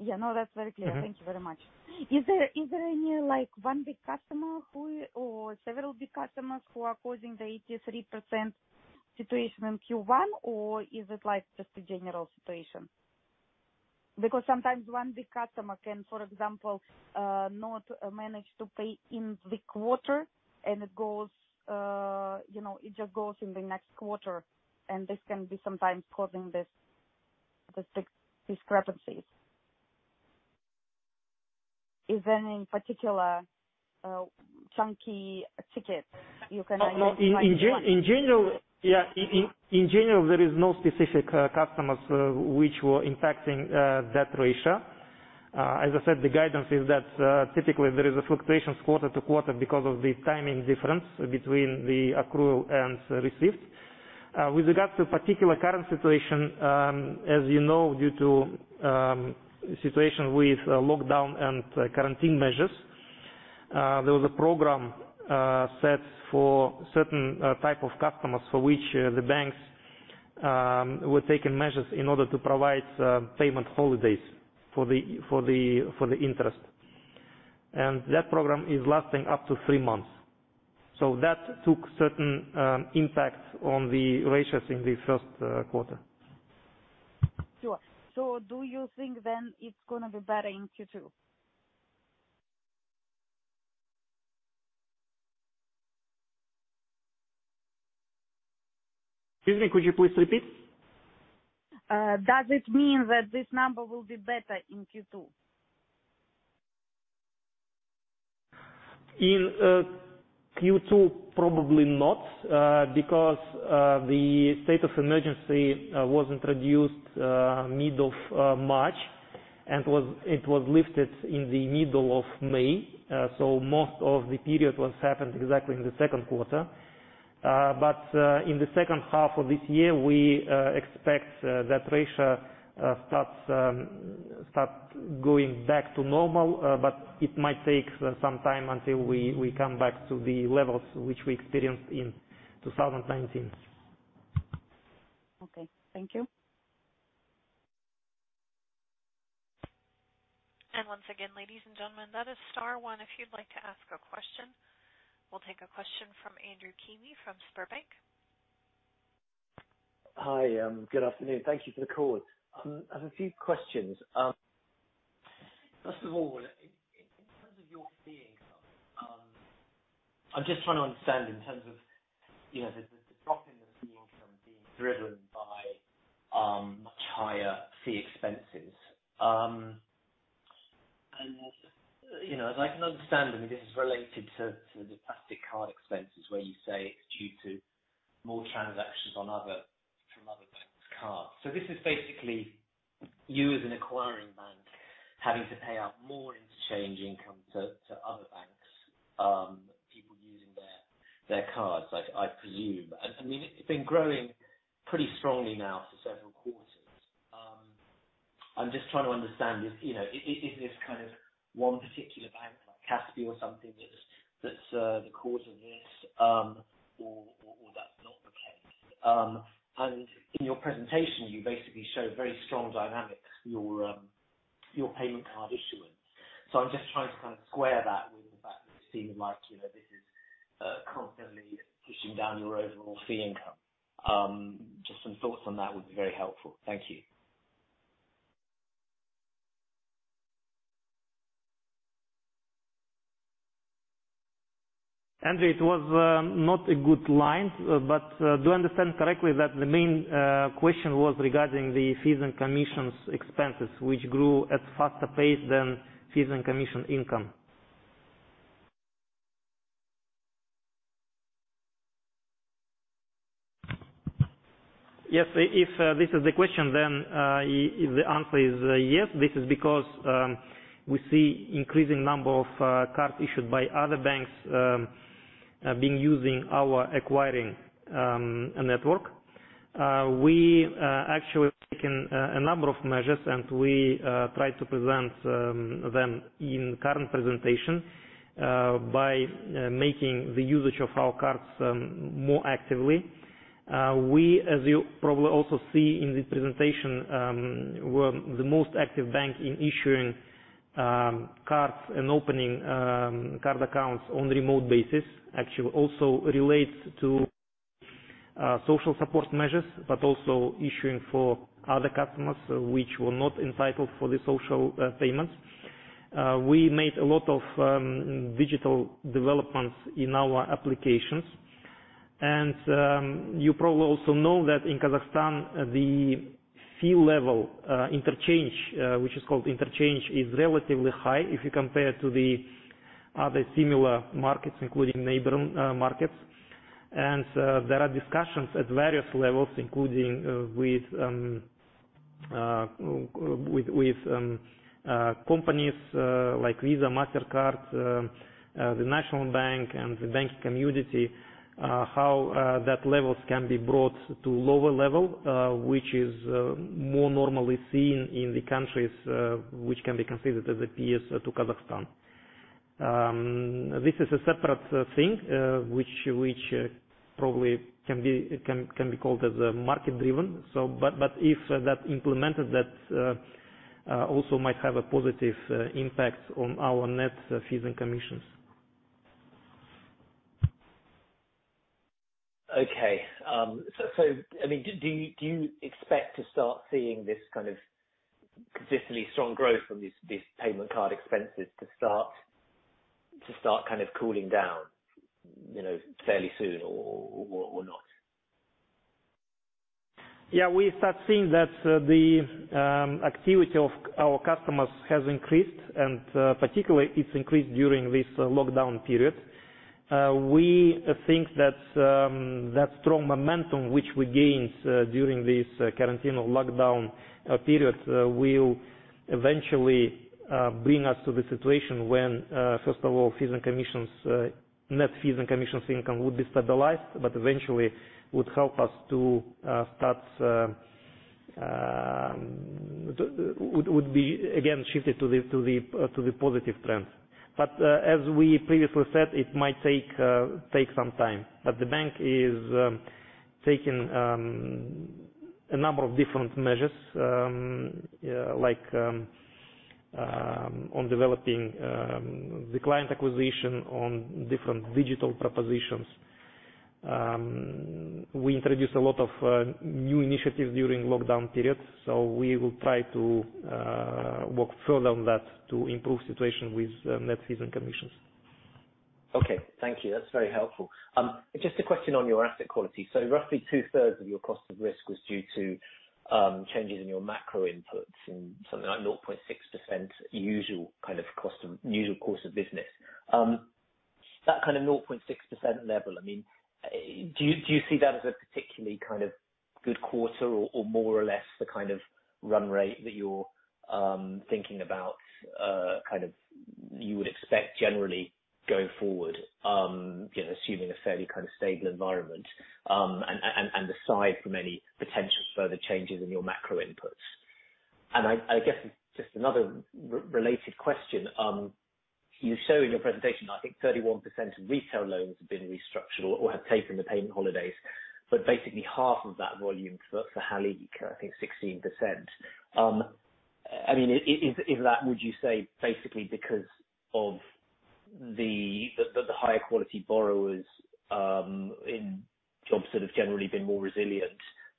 Yeah, no, that's very clear. Thank you very much. Is there any one big customer or several big customers who are causing the 83% situation in Q1, or is it just a general situation? Because sometimes one big customer can, for example, not manage to pay in the quarter and it just goes in the next quarter, and this can be sometimes causing these discrepancies. Is there any particular chunky ticket you can identify? No, in general, there is no specific customers which were impacting that ratio. As I said, the guidance is that typically there is a fluctuations quarter to quarter because of the timing difference between the accrual and receipt. With regard to particular current situation, as you know, due to situation with lockdown and quarantine measures, there was a program set for certain type of customers for which the banks were taking measures in order to provide payment holidays for the interest. That program is lasting up to three months. That took certain impact on the ratios in the first quarter. Sure. Do you think then it's going to be better in Q2? Excuse me, could you please repeat? Does it mean that this number will be better in Q2? In Q2, probably not, because the state of emergency was introduced mid of March, and it was lifted in the middle of May. Most of the period was happened exactly in the second quarter. In the second half of this year, we expect that ratio start going back to normal, but it might take some time until we come back to the levels which we experienced in 2019. Okay. Thank you. Once again, ladies and gentlemen, that is star one if you'd like to ask a question. We'll take a question from Andrew Keeley from Sberbank. Hi. Good afternoon. Thank you for the call. I have a few questions. First of all, in terms of your fee income, I'm just trying to understand in terms of the drop in the fee income being driven by much higher fee expenses. As I can understand, I mean, this is related to the plastic card expenses where you say it's due to more transactions from other banks' cards. This is basically you as an acquiring bank having to pay out more interchange income to other banks, people using their cards, I presume. I mean, it's been growing pretty strongly now for several quarters. I'm just trying to understand is this kind of one particular bank, like Kaspi or something, that's the cause of this, or that's not the case? In your presentation, you basically show very strong dynamics, your payment card issuance. I'm just trying to kind of square that with the fact that it seems like this is constantly pushing down your overall fee income. Just some thoughts on that would be very helpful. Thank you. Andrew, it was not a good line, but do I understand correctly that the main question was regarding the fees and commissions expenses, which grew at faster pace than fees and commission income? Yes, if this is the question, then the answer is yes. This is because we see increasing number of cards issued by other banks, being using our acquiring network. We actually have taken a number of measures, and we try to present them in current presentation by making the usage of our cards more actively. We, as you probably also see in the presentation, were the most active bank in issuing cards and opening card accounts on remote basis. Actually, also relates to social support measures, but also issuing for other customers which were not entitled for the social payments. We made a lot of digital developments in our applications. You probably also know that in Kazakhstan, the fee level interchange, which is called interchange, is relatively high if you compare to the other similar markets, including neighbor markets. There are discussions at various levels, including with companies like Visa, Mastercard, the National Bank, and the banking community, how that levels can be brought to lower level, which is more normally seen in the countries which can be considered as a peer to Kazakhstan. This is a separate thing which probably can be called as market-driven. If that implemented, that also might have a positive impact on our net fees and commissions. Okay. Do you expect to start seeing this kind of consistently strong growth from these payment card expenses to start kind of cooling down fairly soon or not? We start seeing that the activity of our customers has increased, and particularly it's increased during this lockdown period. We think that strong momentum which we gained during this quarantine or lockdown period will eventually bring us to the situation when, first of all, fees and commissions, net fees and commissions income would be stabilized, but eventually would be again shifted to the positive trend. As we previously said, it might take some time. The bank is taking a number of different measures, like on developing the client acquisition on different digital propositions. We introduced a lot of new initiatives during lockdown periods, we will try to work further on that to improve situation with net fees and commissions. Thank you. That's very helpful. A question on your asset quality. Roughly 2/3 of your cost of risk was due to changes in your macro inputs in something like 0.6% usual course of business. That kind of 0.6% level, do you see that as a particularly good quarter or more or less the kind of run rate that you're thinking about, you would expect generally going forward, assuming a fairly stable environment, aside from any potential further changes in your macro inputs? I guess, another related question. You show in your presentation, I think 31% of retail loans have been restructured or have taken the payment holidays, but basically half of that volume for Halyk, I think 16%. Is that, would you say basically because of the higher quality borrowers in jobs that have generally been more resilient,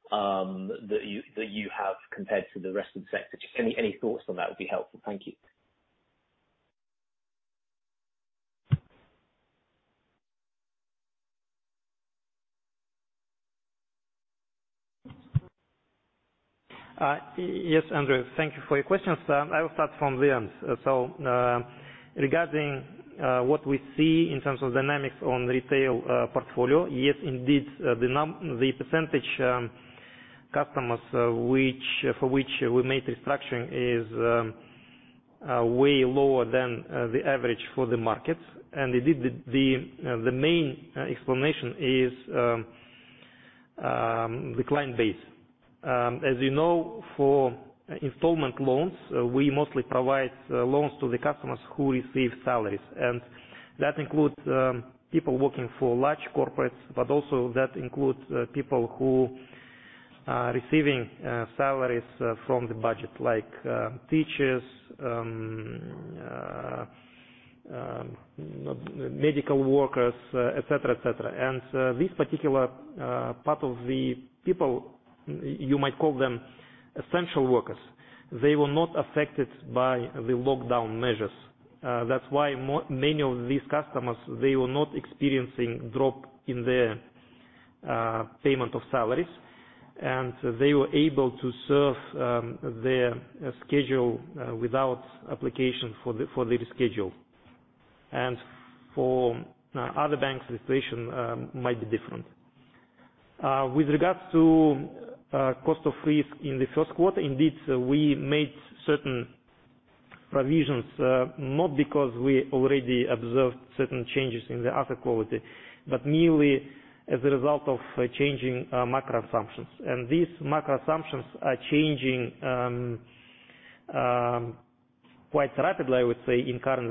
that you have compared to the rest of the sector? Any thoughts on that would be helpful. Thank you. Yes, Andrew. Thank you for your questions. I will start from the end. Regarding what we see in terms of dynamics on retail portfolio, yes, indeed, the percentage customers for which we made restructuring is way lower than the average for the market. Indeed, the main explanation is the client base. As you know, for installment loans, we mostly provide loans to the customers who receive salaries. That includes people working for large corporates, but also that includes people who are receiving salaries from the budget like teachers, medical workers, et cetera. This particular part of the people, you might call them essential workers. They were not affected by the lockdown measures. That's why many of these customers, they were not experiencing drop in their payment of salaries, and they were able to serve their schedule without application for the reschedule. For other banks, the situation might be different. With regards to cost of risk in the first quarter, indeed, we made certain provisions, not because we already observed certain changes in the asset quality, but merely as a result of changing macro assumptions. These macro assumptions are changing quite rapidly, I would say, in current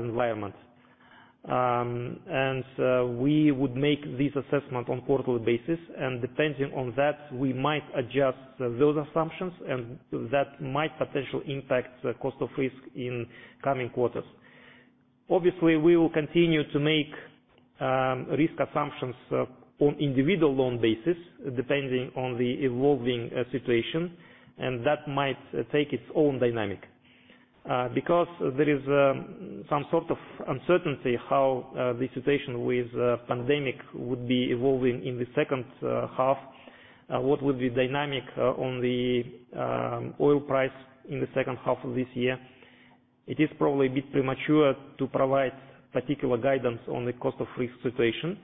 environment. We would make this assessment on quarterly basis, and depending on that, we might adjust those assumptions and that might potentially impact the cost of risk in coming quarters. Obviously, we will continue to make risk assumptions on individual loan basis, depending on the evolving situation, and that might take its own dynamic. There is some sort of uncertainty how the situation with pandemic would be evolving in the second half, what would be dynamic on the oil price in the second half of this year. It is probably a bit premature to provide particular guidance on the cost of risk situation.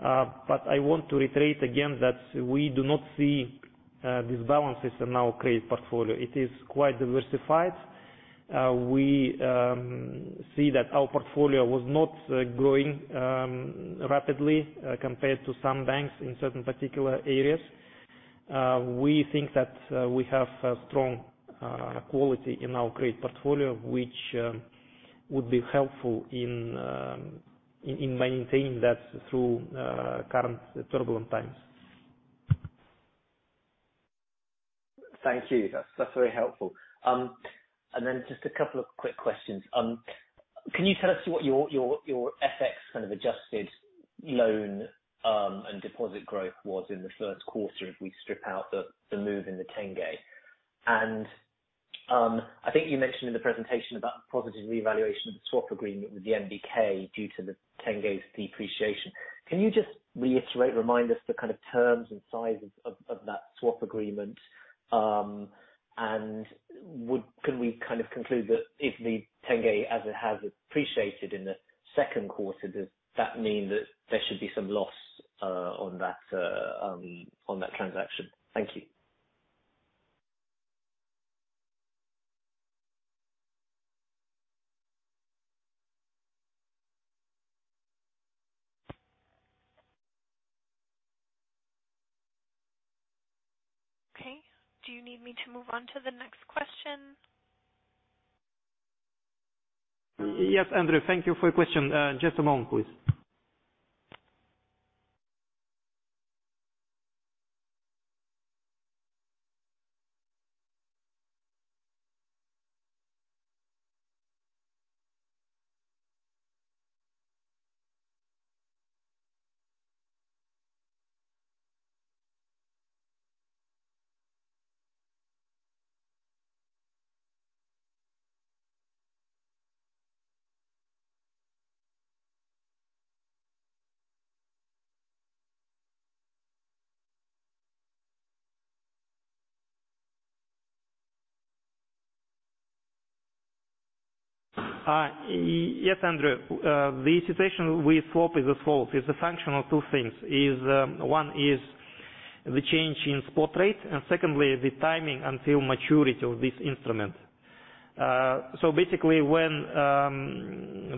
I want to reiterate again that we do not see these balances in our credit portfolio. It is quite diversified. We see that our portfolio was not growing rapidly compared to some banks in certain particular areas. We think that we have strong quality in our credit portfolio, which would be helpful in maintaining that through current turbulent times. Thank you. That's very helpful. Just a couple of quick questions. Can you tell us what your FX kind of adjusted loan and deposit growth was in the first quarter if we strip out the move in the tenge? I think you mentioned in the presentation about positive reevaluation of the swap agreement with the NBK due to the tenge's depreciation. Can you just reiterate, remind us the kind of terms and sizes of that swap agreement, and can we kind of conclude that if the tenge, as it has appreciated in the second quarter, does that mean that there should be some loss on that transaction? Thank you. Okay. Do you need me to move on to the next question? Yes, Andrew, thank you for your question. Just a moment, please. Yes, Andrew. The situation with swap is as follows, it's a function of two things. One is the change in spot rate, and secondly, the timing until maturity of this instrument. Basically, when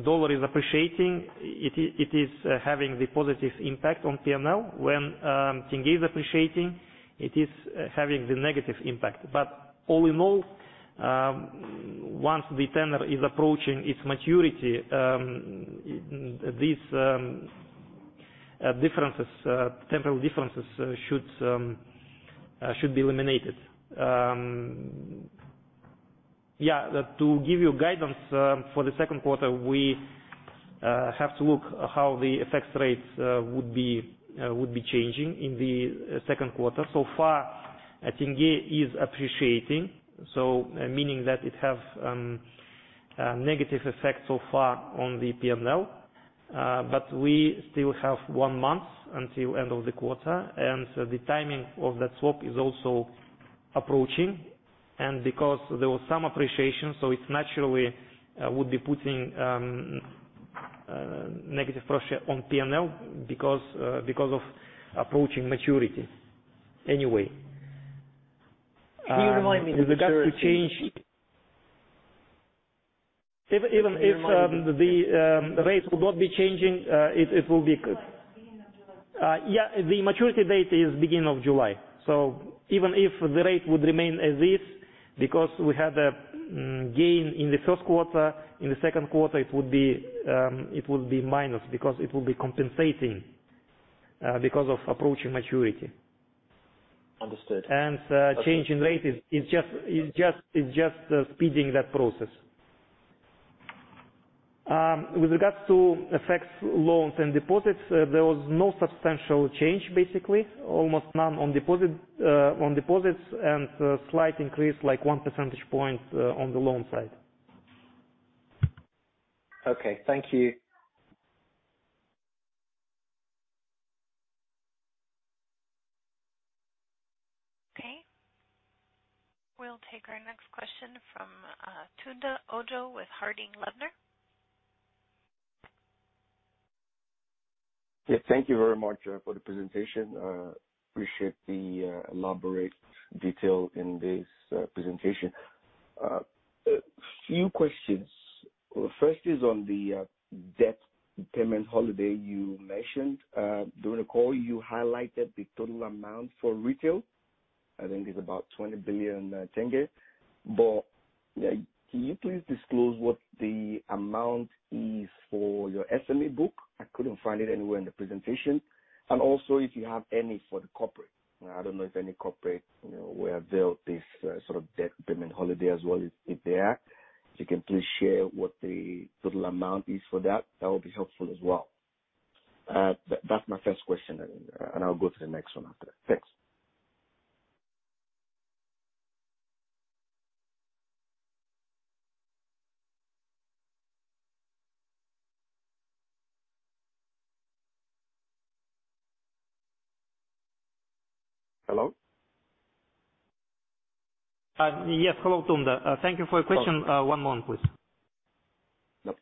dollar is appreciating, it is having the positive impact on P&L. When tenge is appreciating, it is having the negative impact. All in all, once the swap is approaching its maturity, these temporal differences should be eliminated. Yeah. To give you guidance for the second quarter, we have to look how the FX rates would be changing in the second quarter. So far, tenge is appreciating, so meaning that it have negative effect so far on the P&L. We still have one month until end of the quarter, and the timing of that swap is also approaching. Because there was some appreciation, it naturally would be putting negative pressure on P&L because of approaching maturity anyway. Can you remind me the maturity? Even if the rates would not be changing, it will be good. Yeah, the maturity date is beginning of July. Even if the rate would remain as is, because we had a gain in the first quarter, in the second quarter, it would be minus because it will be compensating because of approaching maturity. Understood. Change in rate is just speeding that process. With regards to FX loans and deposits, there was no substantial change, basically. Almost none on deposits and a slight increase, like one percentage point, on the loan side. Okay. Thank you. Okay. We'll take our next question from Tunde Ojo with Harding Loevner. Thank you very much for the presentation. Appreciate the elaborate detail in this presentation. A few questions. First is on the debt payment holiday you mentioned. During the call, you highlighted the total amount for retail, I think it's about KZT 20 billion. Can you please disclose what the amount is for your SME book? I couldn't find it anywhere in the presentation. Also if you have any for the corporate. I don't know if any corporate were availed this sort of debt payment holiday as well. If there are, if you can please share what the total amount is for that would be helpful as well. That's my first question, and I'll go to the next one after that. Thanks. Hello? Yes. Hello, Tunde. Thank you for your question. One moment, please. Yep.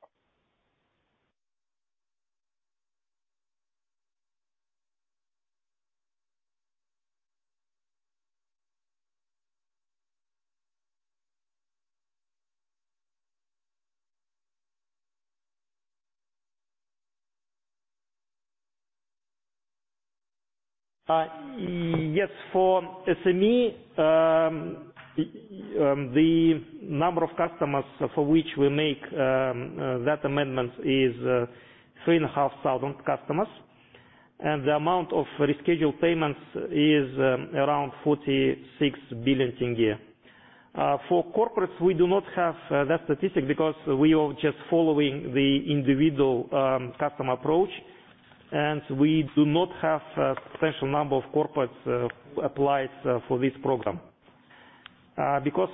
For SME, the number of customers for which we make that amendment is 3,500 customers. The amount of rescheduled payments is around KZT 46 billion. For corporates, we do not have that statistic because we are just following the individual customer approach, and we do not have a potential number of corporates applied for this program.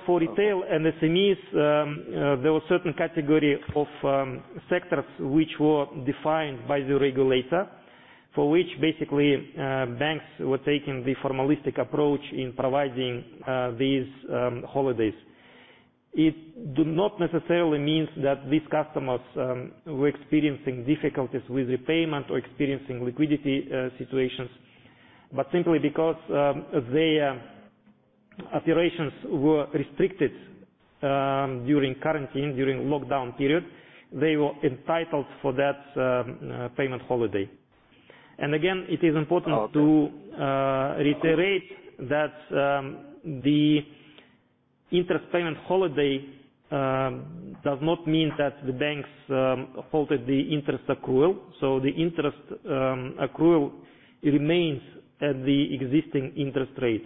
For retail and SMEs, there were certain category of sectors which were defined by the regulator, for which basically banks were taking the formalistic approach in providing these holidays. It do not necessarily means that these customers were experiencing difficulties with repayment or experiencing liquidity situations, but simply because their operations were restricted during quarantine, during lockdown period, they were entitled for that payment holiday. Again, it is important to reiterate that the interest payment holiday does not mean that the banks halted the interest accrual. The interest accrual remains at the existing interest rate.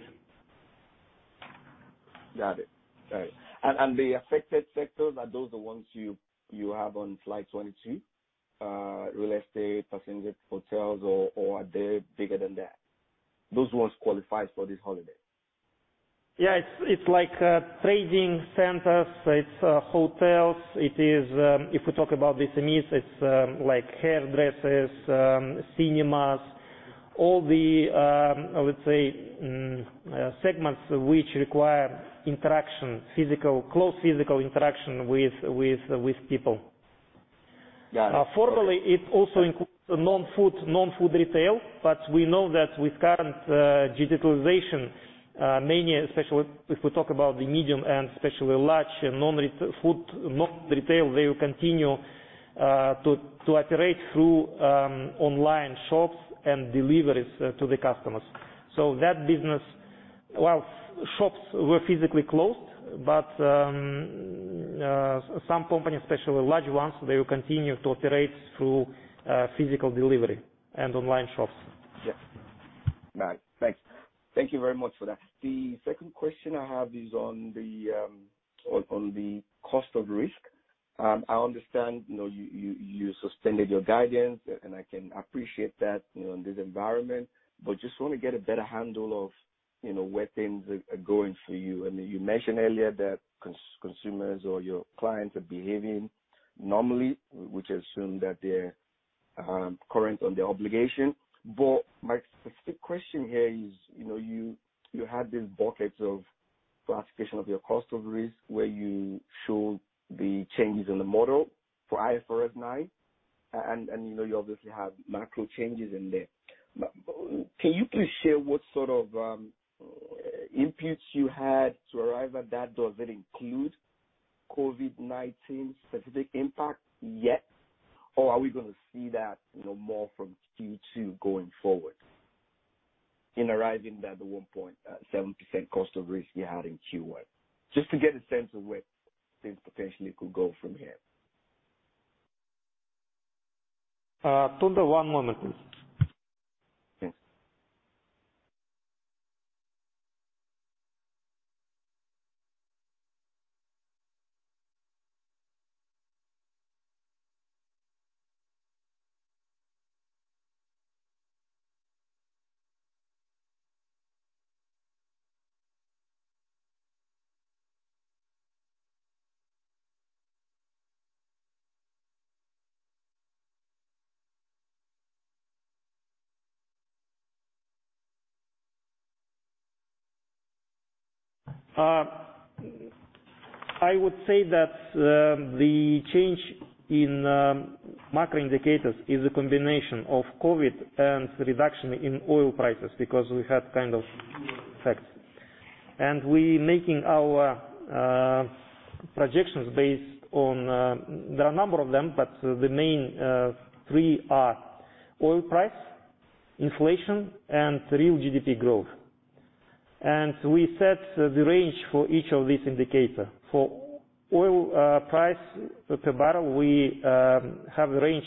Got it. All right. The affected sectors, are those the ones you have on slide 22? Real estate, passenger, hotels, or are they bigger than that? Those ones qualifies for this holiday? Yeah. It's like trading centers, it's hotels. If we talk about the SMEs, it's like hairdressers, cinemas, all the, I would say, segments which require close physical interaction with people. Yeah. Formally, it also includes non-food retail, but we know that with current digitalization, many, especially if we talk about the medium and especially large non-food retail, they will continue to operate through online shops and deliveries to the customers. That business, well, shops were physically closed, but some companies, especially large ones, they will continue to operate through physical delivery and online shops. Yeah. All right. Thanks. Thank you very much for that. The second question I have is on the cost of risk. I understand you suspended your guidance, and I can appreciate that in this environment, but just want to get a better handle of where things are going for you. You mentioned earlier that consumers or your clients are behaving normally, which assume that they're current on their obligation. My specific question here is, you had these buckets of classification of your cost of risk, where you showed the changes in the model for IFRS 9, and you obviously have macro changes in there. Can you please share what sort of inputs you had to arrive at that? Does it include COVID-19 specific impact yet, or are we going to see that more from Q2 going forward in arriving at the 1.7% cost of risk you had in Q1? Just to get a sense of where things potentially could go from here. Tunde, one moment, please. Yes. I would say that the change in macro indicators is a combination of COVID and reduction in oil prices, because we had kind of dual effects. We're making our projections. There are a number of them, but the main three are oil price, inflation, and real GDP growth. We set the range for each of these indicators. For oil price per barrel, we have a range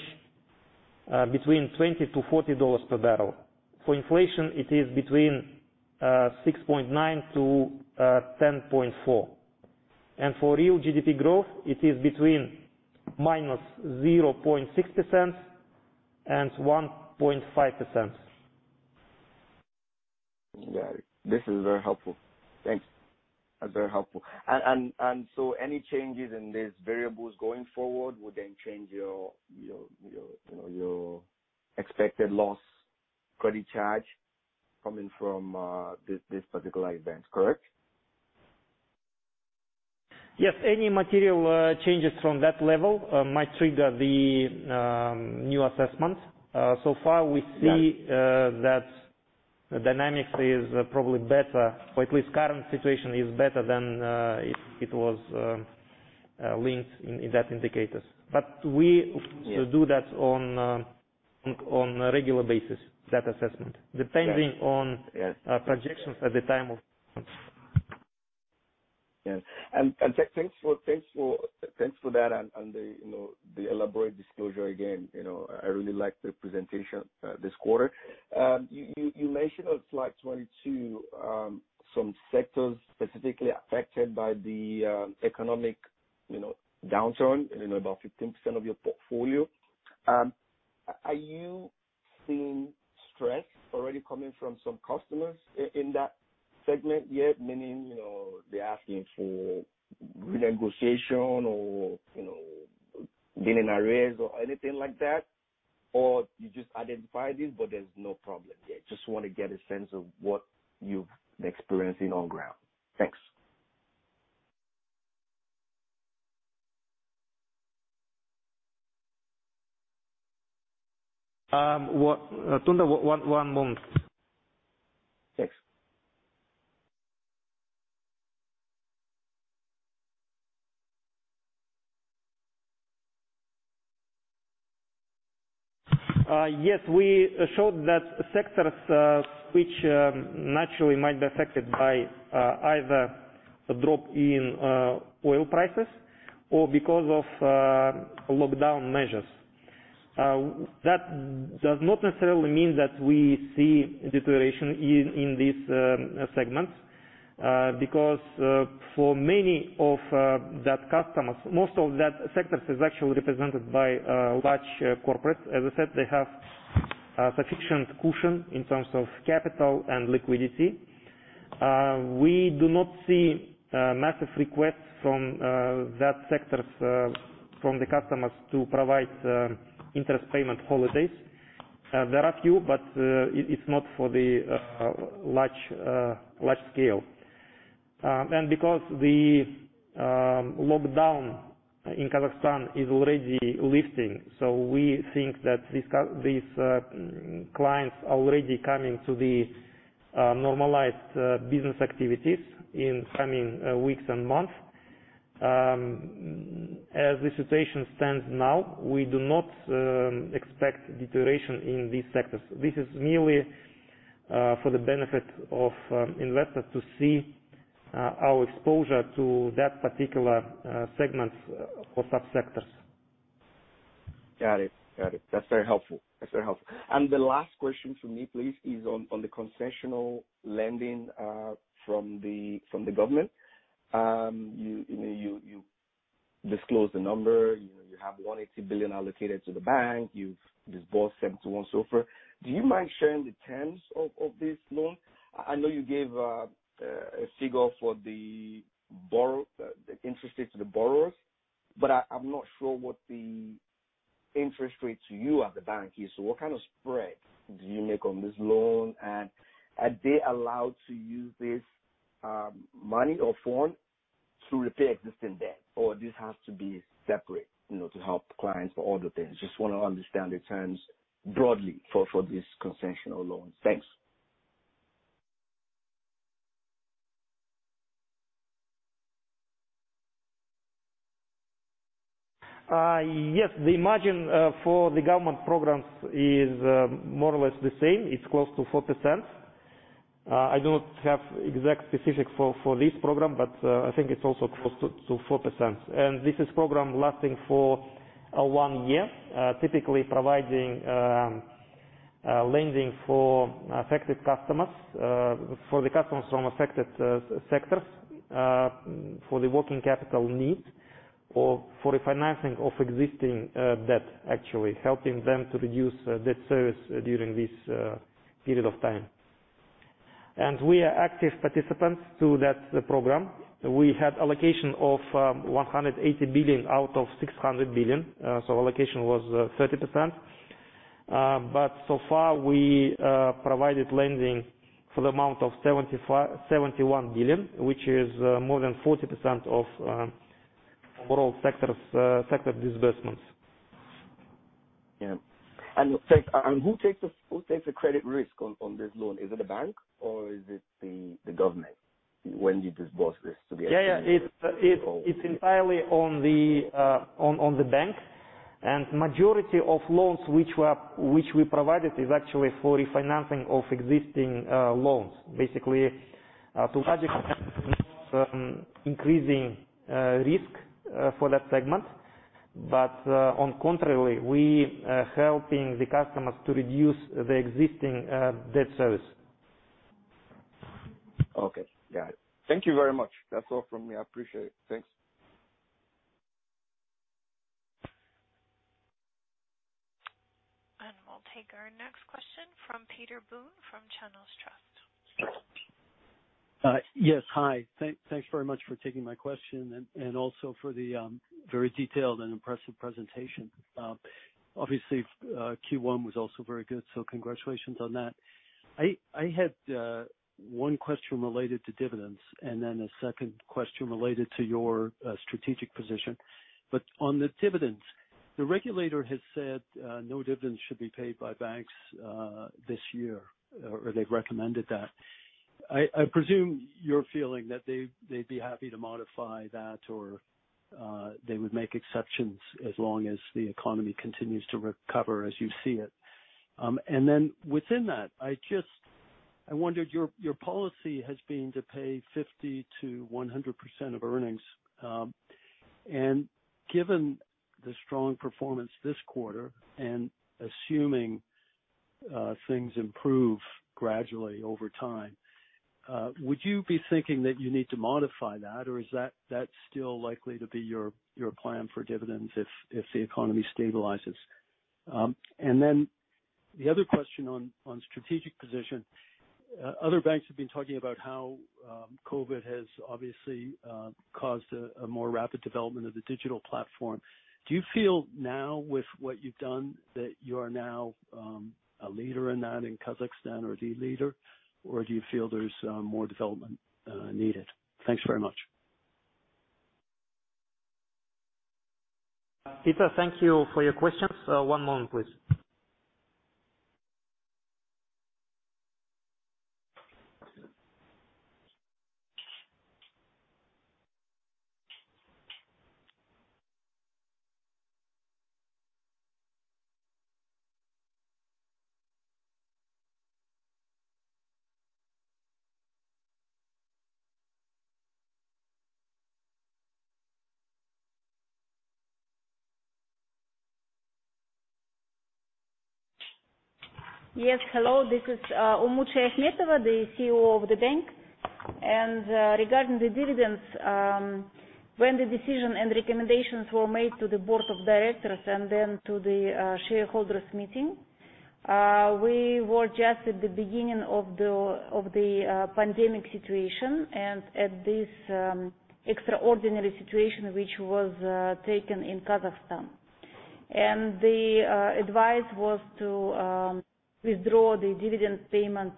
between $20-$40 per barrel. For inflation, it is between 6.9%-10.4%. For real GDP growth, it is between -0.6% and 1.5%. Got it. This is very helpful. Thanks. That's very helpful. Any changes in these variables going forward would then change your expected loss credit charge coming from this particular event, correct? Yes. Any material changes from that level might trigger the new assessment. Far we see that the dynamics is probably better, or at least current situation is better than it was linked in those indicators. We do that on a regular basis, that assessment. Got it. Yes. Depending on projections at the time of assessments. Yeah. Thanks for that and the elaborate disclosure again. I really liked the presentation this quarter. You mentioned on slide 22 some sectors specifically affected by the economic downturn, about 15% of your portfolio. Are you seeing stress already coming from some customers in that segment yet? Meaning, they're asking for renegotiation or getting a raise or anything like that? You just identified this, but there's no problem yet? Just want to get a sense of what you've been experiencing on ground. Thanks. Tunde, one moment. Thanks. We showed that sectors which naturally might be affected by either a drop in oil prices or because of lockdown measures. That does not necessarily mean that we see deterioration in these segments, because for many of that customers, most of that sectors is actually represented by large corporate. As I said, they have sufficient cushion in terms of capital and liquidity. We do not see massive requests from that sectors, from the customers to provide interest payment holidays. There are a few, but it's not for the large scale. Because the lockdown in Kazakhstan is already lifting, so we think that these clients are already coming to the normalized business activities in coming weeks and months. As the situation stands now, we do not expect deterioration in these sectors. This is merely for the benefit of investors to see our exposure to that particular segments or sub-sectors. Got it. That's very helpful. The last question from me, please, is on the concessional lending from the government. You disclosed the number. You have KZT 180 billion allocated to the bank. You've disbursed KZT 71 billion so far. Do you mind sharing the terms of this loan? I know you gave a figure for the interest rate to the borrowers, but I'm not sure what the interest rate to you at the bank is. What kind of spread do you make on this loan? Are they allowed to use this money or fund to repay existing debt? This has to be separate to help clients for other things? Just want to understand the terms broadly for this concessional loan. Thanks. Yes. The margin for the government programs is more or less the same. It's close to 4%. I do not have exact specifics for this program, but I think it's also close to 4%. This is program lasting for one year, typically providing lending for affected customers, for the customers from affected sectors, for the working capital needs, or for refinancing of existing debt, actually helping them to reduce debt service during this period of time. We are active participants to that program. We had allocation of KZT 180 billion out of KZT 600 billion, allocation was 30%. So far we provided lending for the amount of KZT 71 billion, which is more than 40% of overall sector disbursements. Yeah. Who takes the credit risk on this loan? Is it the bank or is it the government when you disburse this to the- Yeah. It's entirely on the bank and majority of loans which we provided is actually for refinancing of existing loans, basically to Kazakhstan from increasing risk for that segment. On contrary, we are helping the customers to reduce the existing debt service. Okay. Got it. Thank you very much. That's all from me. I appreciate it. Thanks. We'll take our next question from Peter Boone from Channels Trust. Yes. Hi. Thanks very much for taking my question and also for the very detailed and impressive presentation. Obviously, Q1 was also very good, so congratulations on that. I had one question related to dividends and then a second question related to your strategic position. On the dividends, the regulator has said no dividends should be paid by banks this year, or they've recommended that. I presume you're feeling that they'd be happy to modify that or they would make exceptions as long as the economy continues to recover as you see it. Then within that, your policy has been to pay 50%-100% of earnings. Given the strong performance this quarter, and assuming things improve gradually over time, would you be thinking that you need to modify that or is that still likely to be your plan for dividends if the economy stabilizes? The other question on strategic position. Other banks have been talking about how COVID has obviously caused a more rapid development of the digital platform. Do you feel now with what you've done, that you are now a leader in that in Kazakhstan or the leader, or do you feel there's more development needed? Thanks very much. Peter, thank you for your questions. One moment, please. Yes, hello, this is Umut Shayakhmetova, the CEO of the bank. Regarding the dividends, when the decision and recommendations were made to the board of directors and then to the shareholders meeting, we were just at the beginning of the pandemic situation and at this extraordinary situation, which was taken in Kazakhstan. The advice was to withdraw the dividend payment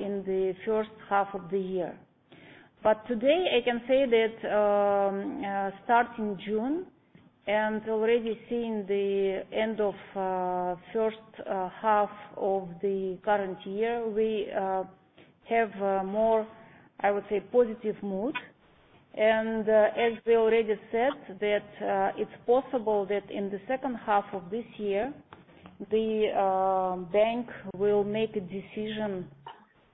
in the first half of the year. Today, I can say that starting June and already seeing the end of first half of the current year, we have a more, I would say, positive mood. As we already said that it's possible that in the second half of this year, the bank will make a decision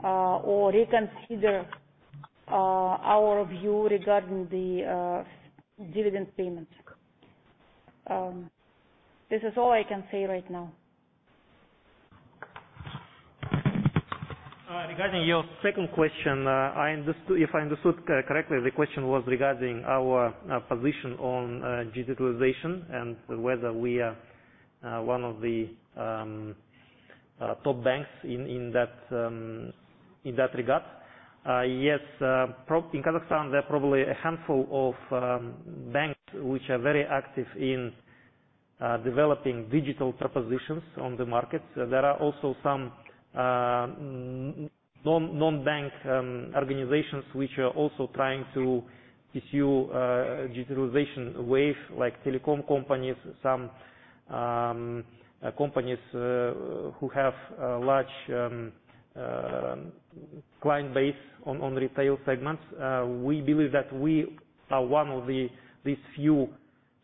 or reconsider our view regarding the dividend payment. This is all I can say right now. Regarding your second question, if I understood correctly, the question was regarding our position on digitalization and whether we are one of the top banks in that regard. Yes, in Kazakhstan, there are probably a handful of banks which are very active in developing digital propositions on the market. There are also some non-bank organizations which are also trying to pursue digitalization wave like telecom companies, some companies who have a large client base on retail segments. We believe that we are one of these few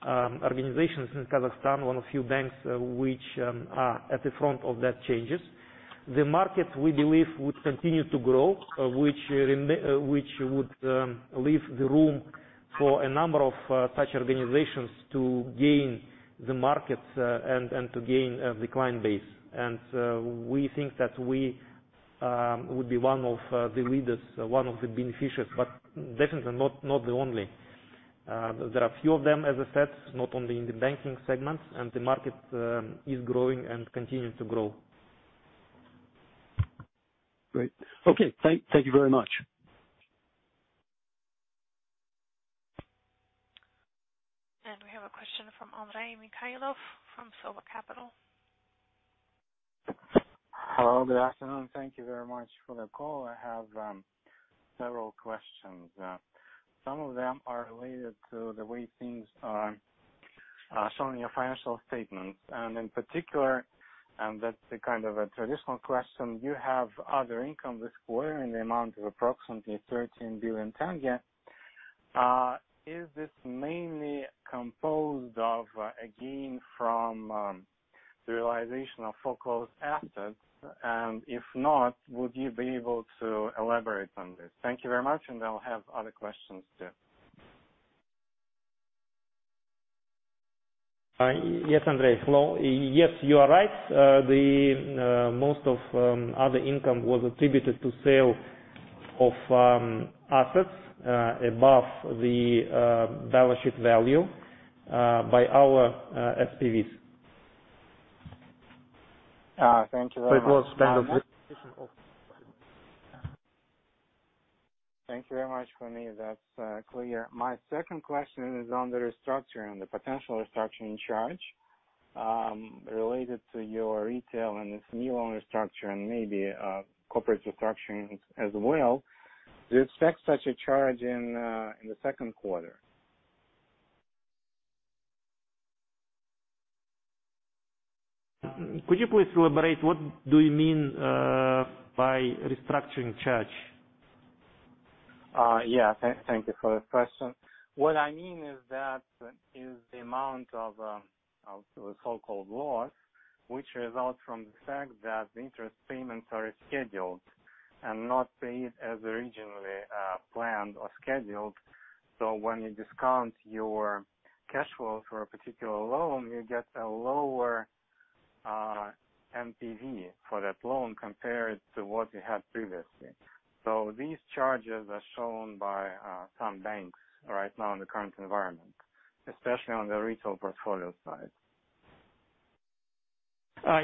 organizations in Kazakhstan, one of few banks which are at the front of that changes. The market, we believe, would continue to grow, which would leave the room for a number of such organizations to gain the market and to gain the client base. We think that we would be one of the leaders, one of the beneficiaries, but definitely not the only. There are a few of them, as I said, not only in the banking segment, and the market is growing and continuing to grow. Great. Okay. Thank you very much. We have a question from Andrei Mikhailov from Sova Capital. Hello. Good afternoon. Thank you very much for the call. I have several questions. Some of them are related to the way things are shown in your financial statements, and in particular, and that's the kind of a traditional question, you have other income this quarter in the amount of approximately KZT 13 billion. Is this mainly composed of a gain from the realization of foreclosed assets? If not, would you be able to elaborate on this? Thank you very much, and I'll have other questions too. Yes, Andrei. Hello. You are right. Most of other income was attributed to sale of assets above the balance sheet value by our SPVs. Thank you very much. It was kind of- Thank you very much. For me, that's clear. My second question is on the restructuring, the potential restructuring charge related to your retail and its new loan restructure and maybe corporate restructurings as well. Do you expect such a charge in the second quarter? Could you please elaborate what do you mean by restructuring charge? Yeah. Thank you for the question. What I mean is that is the amount of so-called loss, which results from the fact that the interest payments are rescheduled and not paid as originally planned or scheduled. When you discount your cash flow for a particular loan, you get a lower NPV for that loan compared to what you had previously. These charges are shown by some banks right now in the current environment, especially on the retail portfolio side.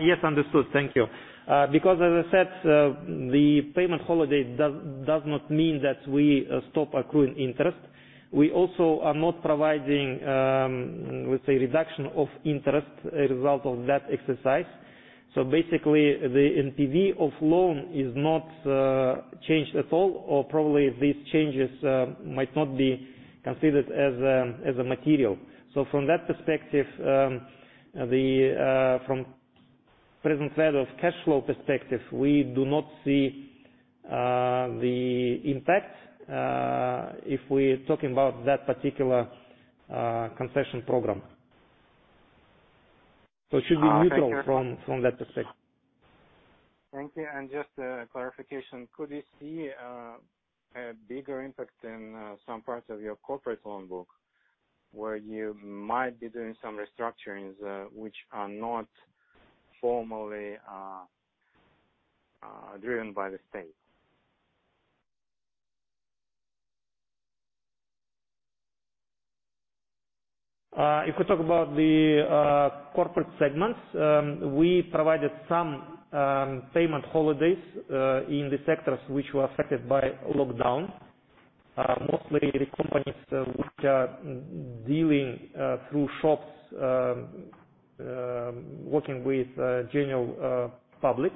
Yes, understood. Thank you. As I said, the payment holiday does not mean that we stop accruing interest. We also are not providing, let's say, reduction of interest as a result of that exercise. Basically, the NPV of loan is not changed at all, or probably these changes might not be considered as a material. From that perspective, from present value of cash flow perspective, we do not see the impact if we talk about that particular concession program. It should be neutral from that perspective. Thank you. Just a clarification, could you see a bigger impact in some parts of your corporate loan book where you might be doing some restructurings, which are not formally driven by the state? If we talk about the corporate segments, we provided some payment holidays in the sectors which were affected by lockdown, mostly the companies which are dealing through shops, working with general public.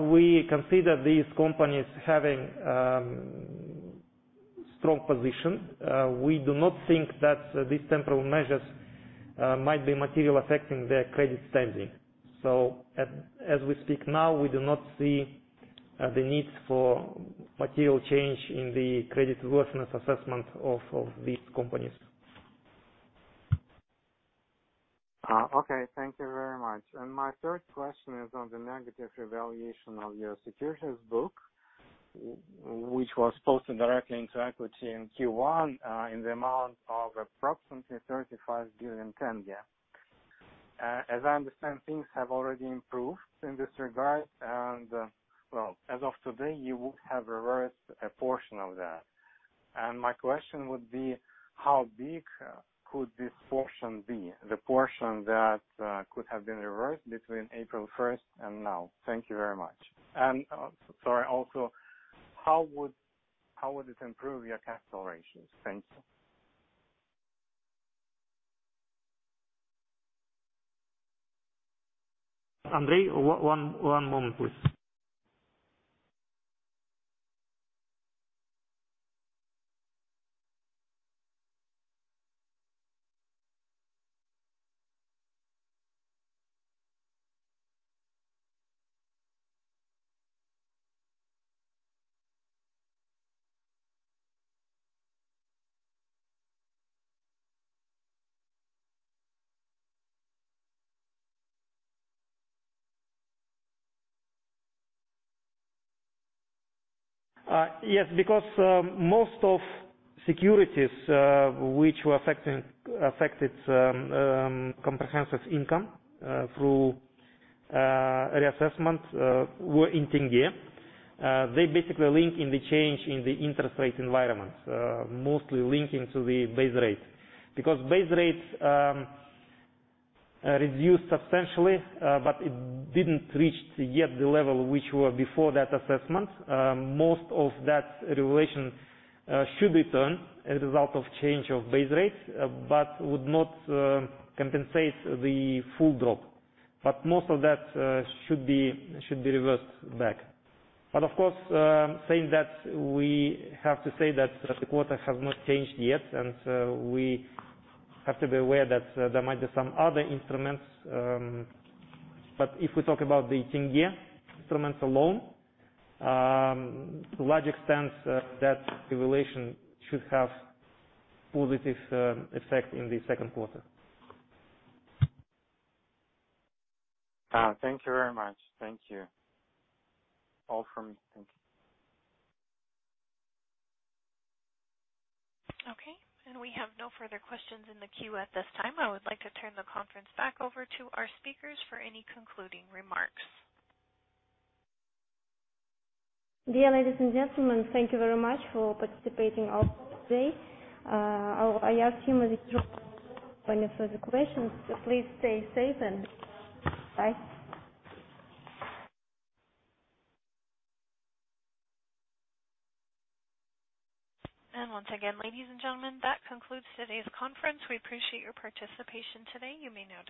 We consider these companies having strong position. We do not think that these temporal measures might be material affecting their credit standing. As we speak now, we do not see the need for material change in the credit worthiness assessment of these companies. Okay. Thank you very much. My third question is on the negative revaluation of your securities book, which was posted directly into equity in Q1 in the amount of approximately KZT 35 billion. As I understand, things have already improved in this regard and, well, as of today, you would have reversed a portion of that. My question would be how big could this portion be, the portion that could have been reversed between April 1st and now? Thank you very much. Sorry, also, how would it improve your capital ratios? Thank you. Andrei, one moment, please. Yes, because most of securities which were affected comprehensive income through reassessment were in tenge. They basically link in the change in the interest rate environment, mostly linking to the base rate. Base rates reduced substantially, but it didn't reach yet the level which were before that assessment. Most of that revaluation should return as a result of change of base rates, but would not compensate the full drop. Most of that should be reversed back. Of course, saying that, we have to say that the quarter has not changed yet, and we have to be aware that there might be some other instruments. If we talk about the tenge instruments alone, to a large extent, that revaluation should have positive effect in the second quarter. Thank you very much. Thank you. All from me. Thank you. Okay, we have no further questions in the queue at this time. I would like to turn the conference back over to our speakers for any concluding remarks. Dear ladies and gentlemen, thank you very much for participating today. I ask you if there are any further questions? Please stay safe and bye. Once again, ladies and gentlemen, that concludes today's conference. We appreciate your participation today. You may now disconnect.